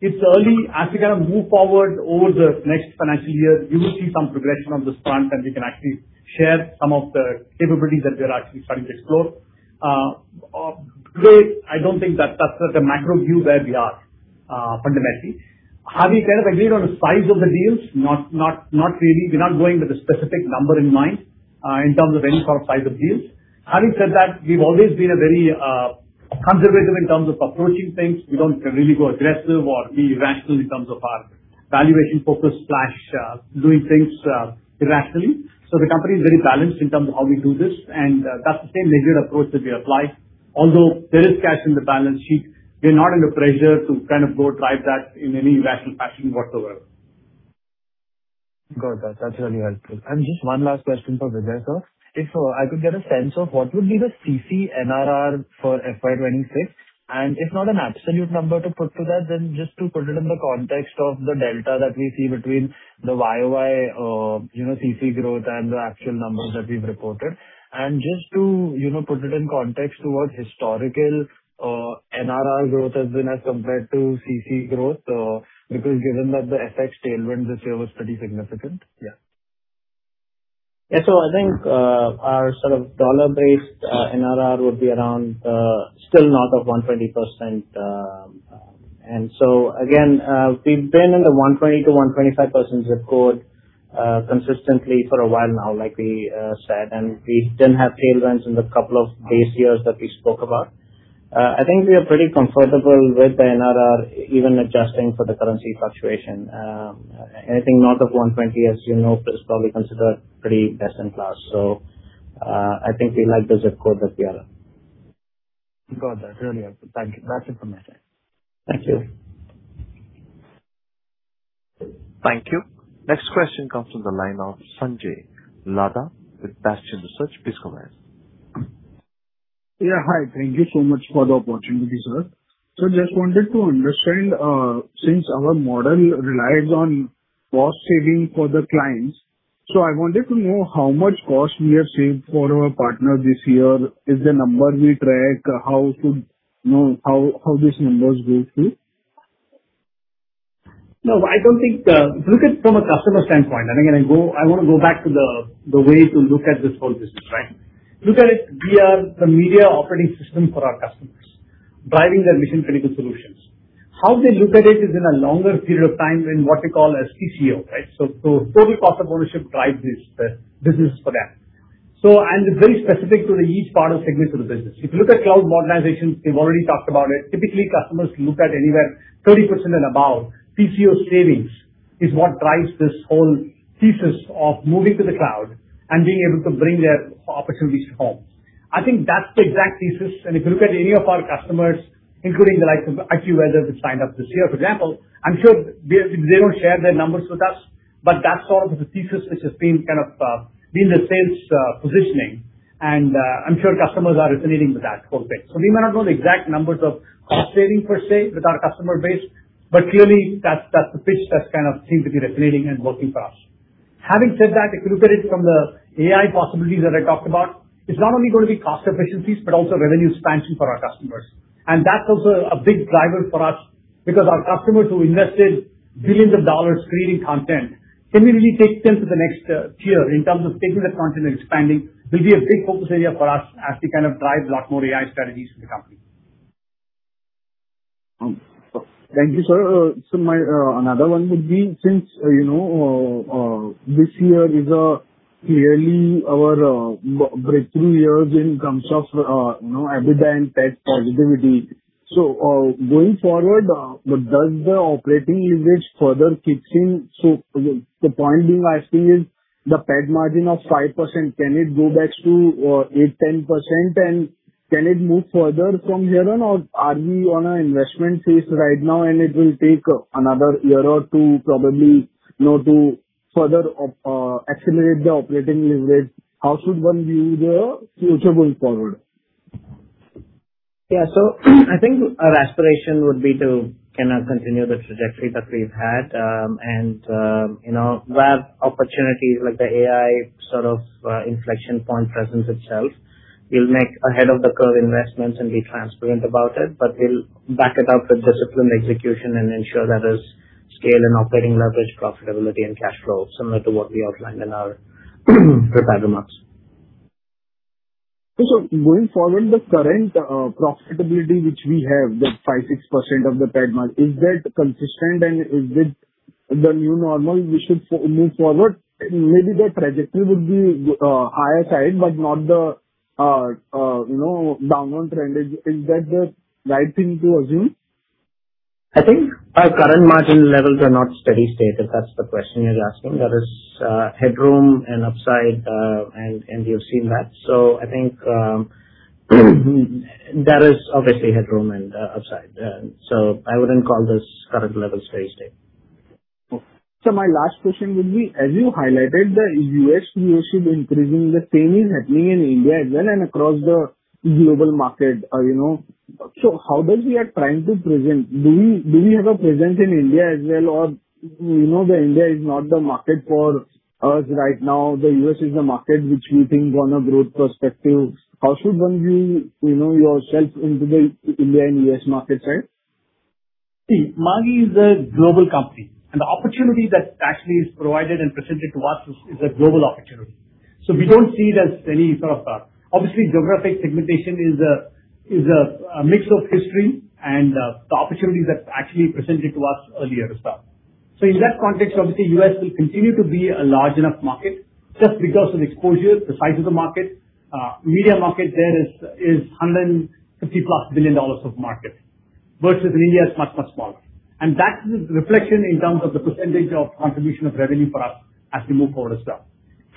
It's early. As we move forward over the next financial year, you will see some progression on this front and we can actually share some of the capabilities that we're actually starting to explore. Today, I don't think that's the macro view where we are fundamentally. Have we agreed on the size of the deals? Not really. We're not going with a specific number in mind, in terms of any sort of size of deals. Having said that, we've always been very conservative in terms of approaching things. We don't really go aggressive or be irrational in terms of our valuation focus/doing things irrationally. The company is very balanced in terms of how we do this, and that's the same measured approach that we apply. Although there is cash in the balance sheet, we're not under pressure to go drive that in any irrational fashion whatsoever. Got that. That's really helpful. Just one last question for Vijay, sir. If I could get a sense of what would be the CC NRR for FY 2026, and if not an absolute number to put to that, then just to put it in the context of the delta that we see between the year-over-year CC growth and the actual numbers that we've reported. Just to put it in context to what historical NRR growth has been as compared to CC growth, because given that the FX tailwind this year was pretty significant. Yeah. Yeah. I think our dollar-based NRR would be around still north of 120%. Again, we've been in the 120%-125% zip code consistently for a while now, like we said, and we didn't have tailwinds in the couple of base years that we spoke about. I think we are pretty comfortable with the NRR, even adjusting for the currency fluctuation. Anything north of 120%, as you know, is probably considered pretty best in class. I think we like the zip code that we are in. Got that. Really helpful. Thank you. That's it from my side. Thank you. Thank you. Next question comes from the line of Sanjay Lada with Bastian Research. Please go ahead. Yeah. Hi. Thank you so much for the opportunity, sir. Just wanted to understand, since our model relies on cost saving for the clients, so I wanted to know how much cost we have saved for our partners this year. Is the number we track? How these numbers go through? Look at it from a customer standpoint, and again, I want to go back to the way to look at this whole business, right? Look at it, we are the media operating system for our customers, driving their mission-critical solutions. How they look at it is in a longer period of time in what we call as TCO, right? Total cost of ownership drive this business for them. It's very specific to each part of segments of the business. If you look at cloud modernizations, we've already talked about it. Typically, customers look at anywhere 30% and above TCO savings is what drives this whole thesis of moving to the cloud and being able to bring their opportunities home. I think that's the exact thesis, and if you look at any of our customers, including the likes of AccuWeather, which signed up this year, for example, I'm sure they don't share their numbers with us, but that's sort of the thesis which has been the sales positioning. I'm sure customers are resonating with that whole bit. We may not know the exact numbers of cost saving per se with our customer base, but clearly that's the pitch that seems to be resonating and working for us. Having said that, if you look at it from the AI possibilities that I talked about, it's not only going to be cost efficiencies but also revenue expansion for our customers. That's also a big driver for us because our customers who invested $ billions creating content, can we really take them to the next tier in terms of taking that content and expanding will be a big focus area for us as we drive a lot more AI strategies for the company. Thank you, sir. My another one would be, since this year is clearly our breakthrough year in terms of EBITDA and PAT positivity. Going forward, does the operating leverage further kick in? The point being I ask you is the PAT margin of 5%, can it go back to 8%-10%? Can it move further from here? Are we on an investment phase right now and it will take another year or two probably to further accelerate the operating leverage. How should one view the future going forward? Yeah. I think our aspiration would be to continue the trajectory that we've had. Where opportunities like the AI sort of inflection point presents itself, we'll make ahead of the curve investments and be transparent about it, we'll back it up with disciplined execution and ensure there is scale and operating leverage, profitability and cash flow, similar to what we outlined in our prepared remarks. Going forward, the current profitability which we have, that 5%-6% of the PAT margin, is that consistent and is it the new normal we should move forward? Maybe the trajectory would be higher side, not the downward trend. Is that the right thing to assume? I think our current margin levels are not steady state, if that's the question you're asking. There is headroom and upside, and we have seen that. I think there is obviously headroom and upside. I wouldn't call this current level steady state. Okay. My last question would be, as you highlighted, the U.S. view should be increasing. The same is happening in India as well and across the global market. How does we are trying to present? Do we have a presence in India as well? Or India is not the market for us right now. The U.S. is the market which we think on a growth perspective. How should one view yourself into the India and U.S. market side? See, Amagi is a global company, the opportunity that actually is provided and presented to us is a global opportunity. We don't see it as any sort of Obviously, geographic segmentation is a mix of history and the opportunities that actually presented to us earlier as well. In that context, obviously, U.S. will continue to be a large enough market just because of the exposure, the size of the market. Media market there is $150 plus billion of market, versus in India is much, much smaller. That is the reflection in terms of the percentage of contribution of revenue for us as we move forward as well.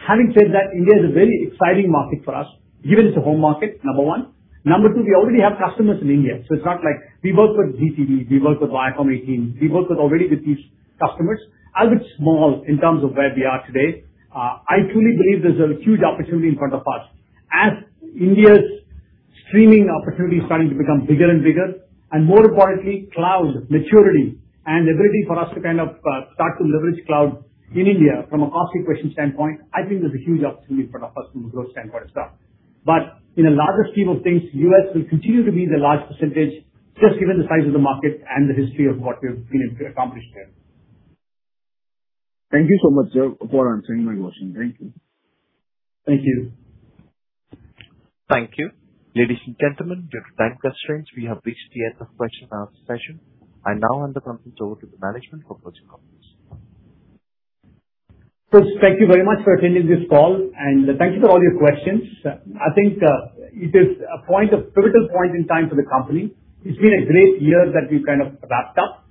Having said that, India is a very exciting market for us, given it's a home market, number one. Number two, we already have customers in India, so it's not like we work with Zee, we work with Viacom18, we work with already with these customers. Albeit small in terms of where we are today, I truly believe there's a huge opportunity in front of us. As India's streaming opportunity is starting to become bigger and bigger, more importantly, cloud maturity and ability for us to kind of start to leverage cloud in India from a cost equation standpoint, I think there's a huge opportunity in front of us from a growth standpoint as well. In a larger scheme of things, U.S. will continue to be the large percentage, just given the size of the market and the history of what we've been able to accomplish there. Thank you so much, Joe, for answering my question. Thank you. Thank you. Thank you. Ladies and gentlemen, due to time constraints, we have reached the end of question and answer session. I now hand the conference over to the management for closing comments. Thank you very much for attending this call, and thank you for all your questions. I think it is a pivotal point in time for the company. It's been a great year that we've kind of wrapped up,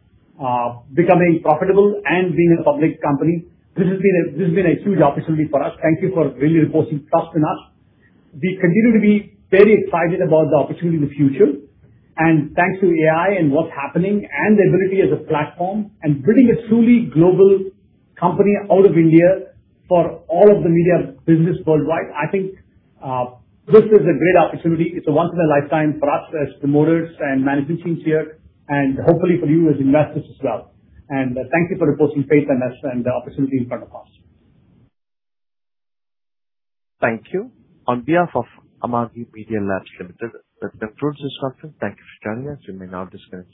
becoming profitable and being a public company. This has been a huge opportunity for us. Thank you for really reposing trust in us. We continue to be very excited about the opportunity in the future, and thanks to AI and what's happening, and the ability as a platform, and building a truly global company out of India for all of the media business worldwide. I think this is a great opportunity. It's a once in a lifetime for us as promoters and management teams here, and hopefully for you as investors as well. Thank you for reposing faith in us and the opportunity in front of us. Thank you. On behalf of Amagi Media Labs Limited, that concludes the session. Thank you for joining us. You may now disconnect.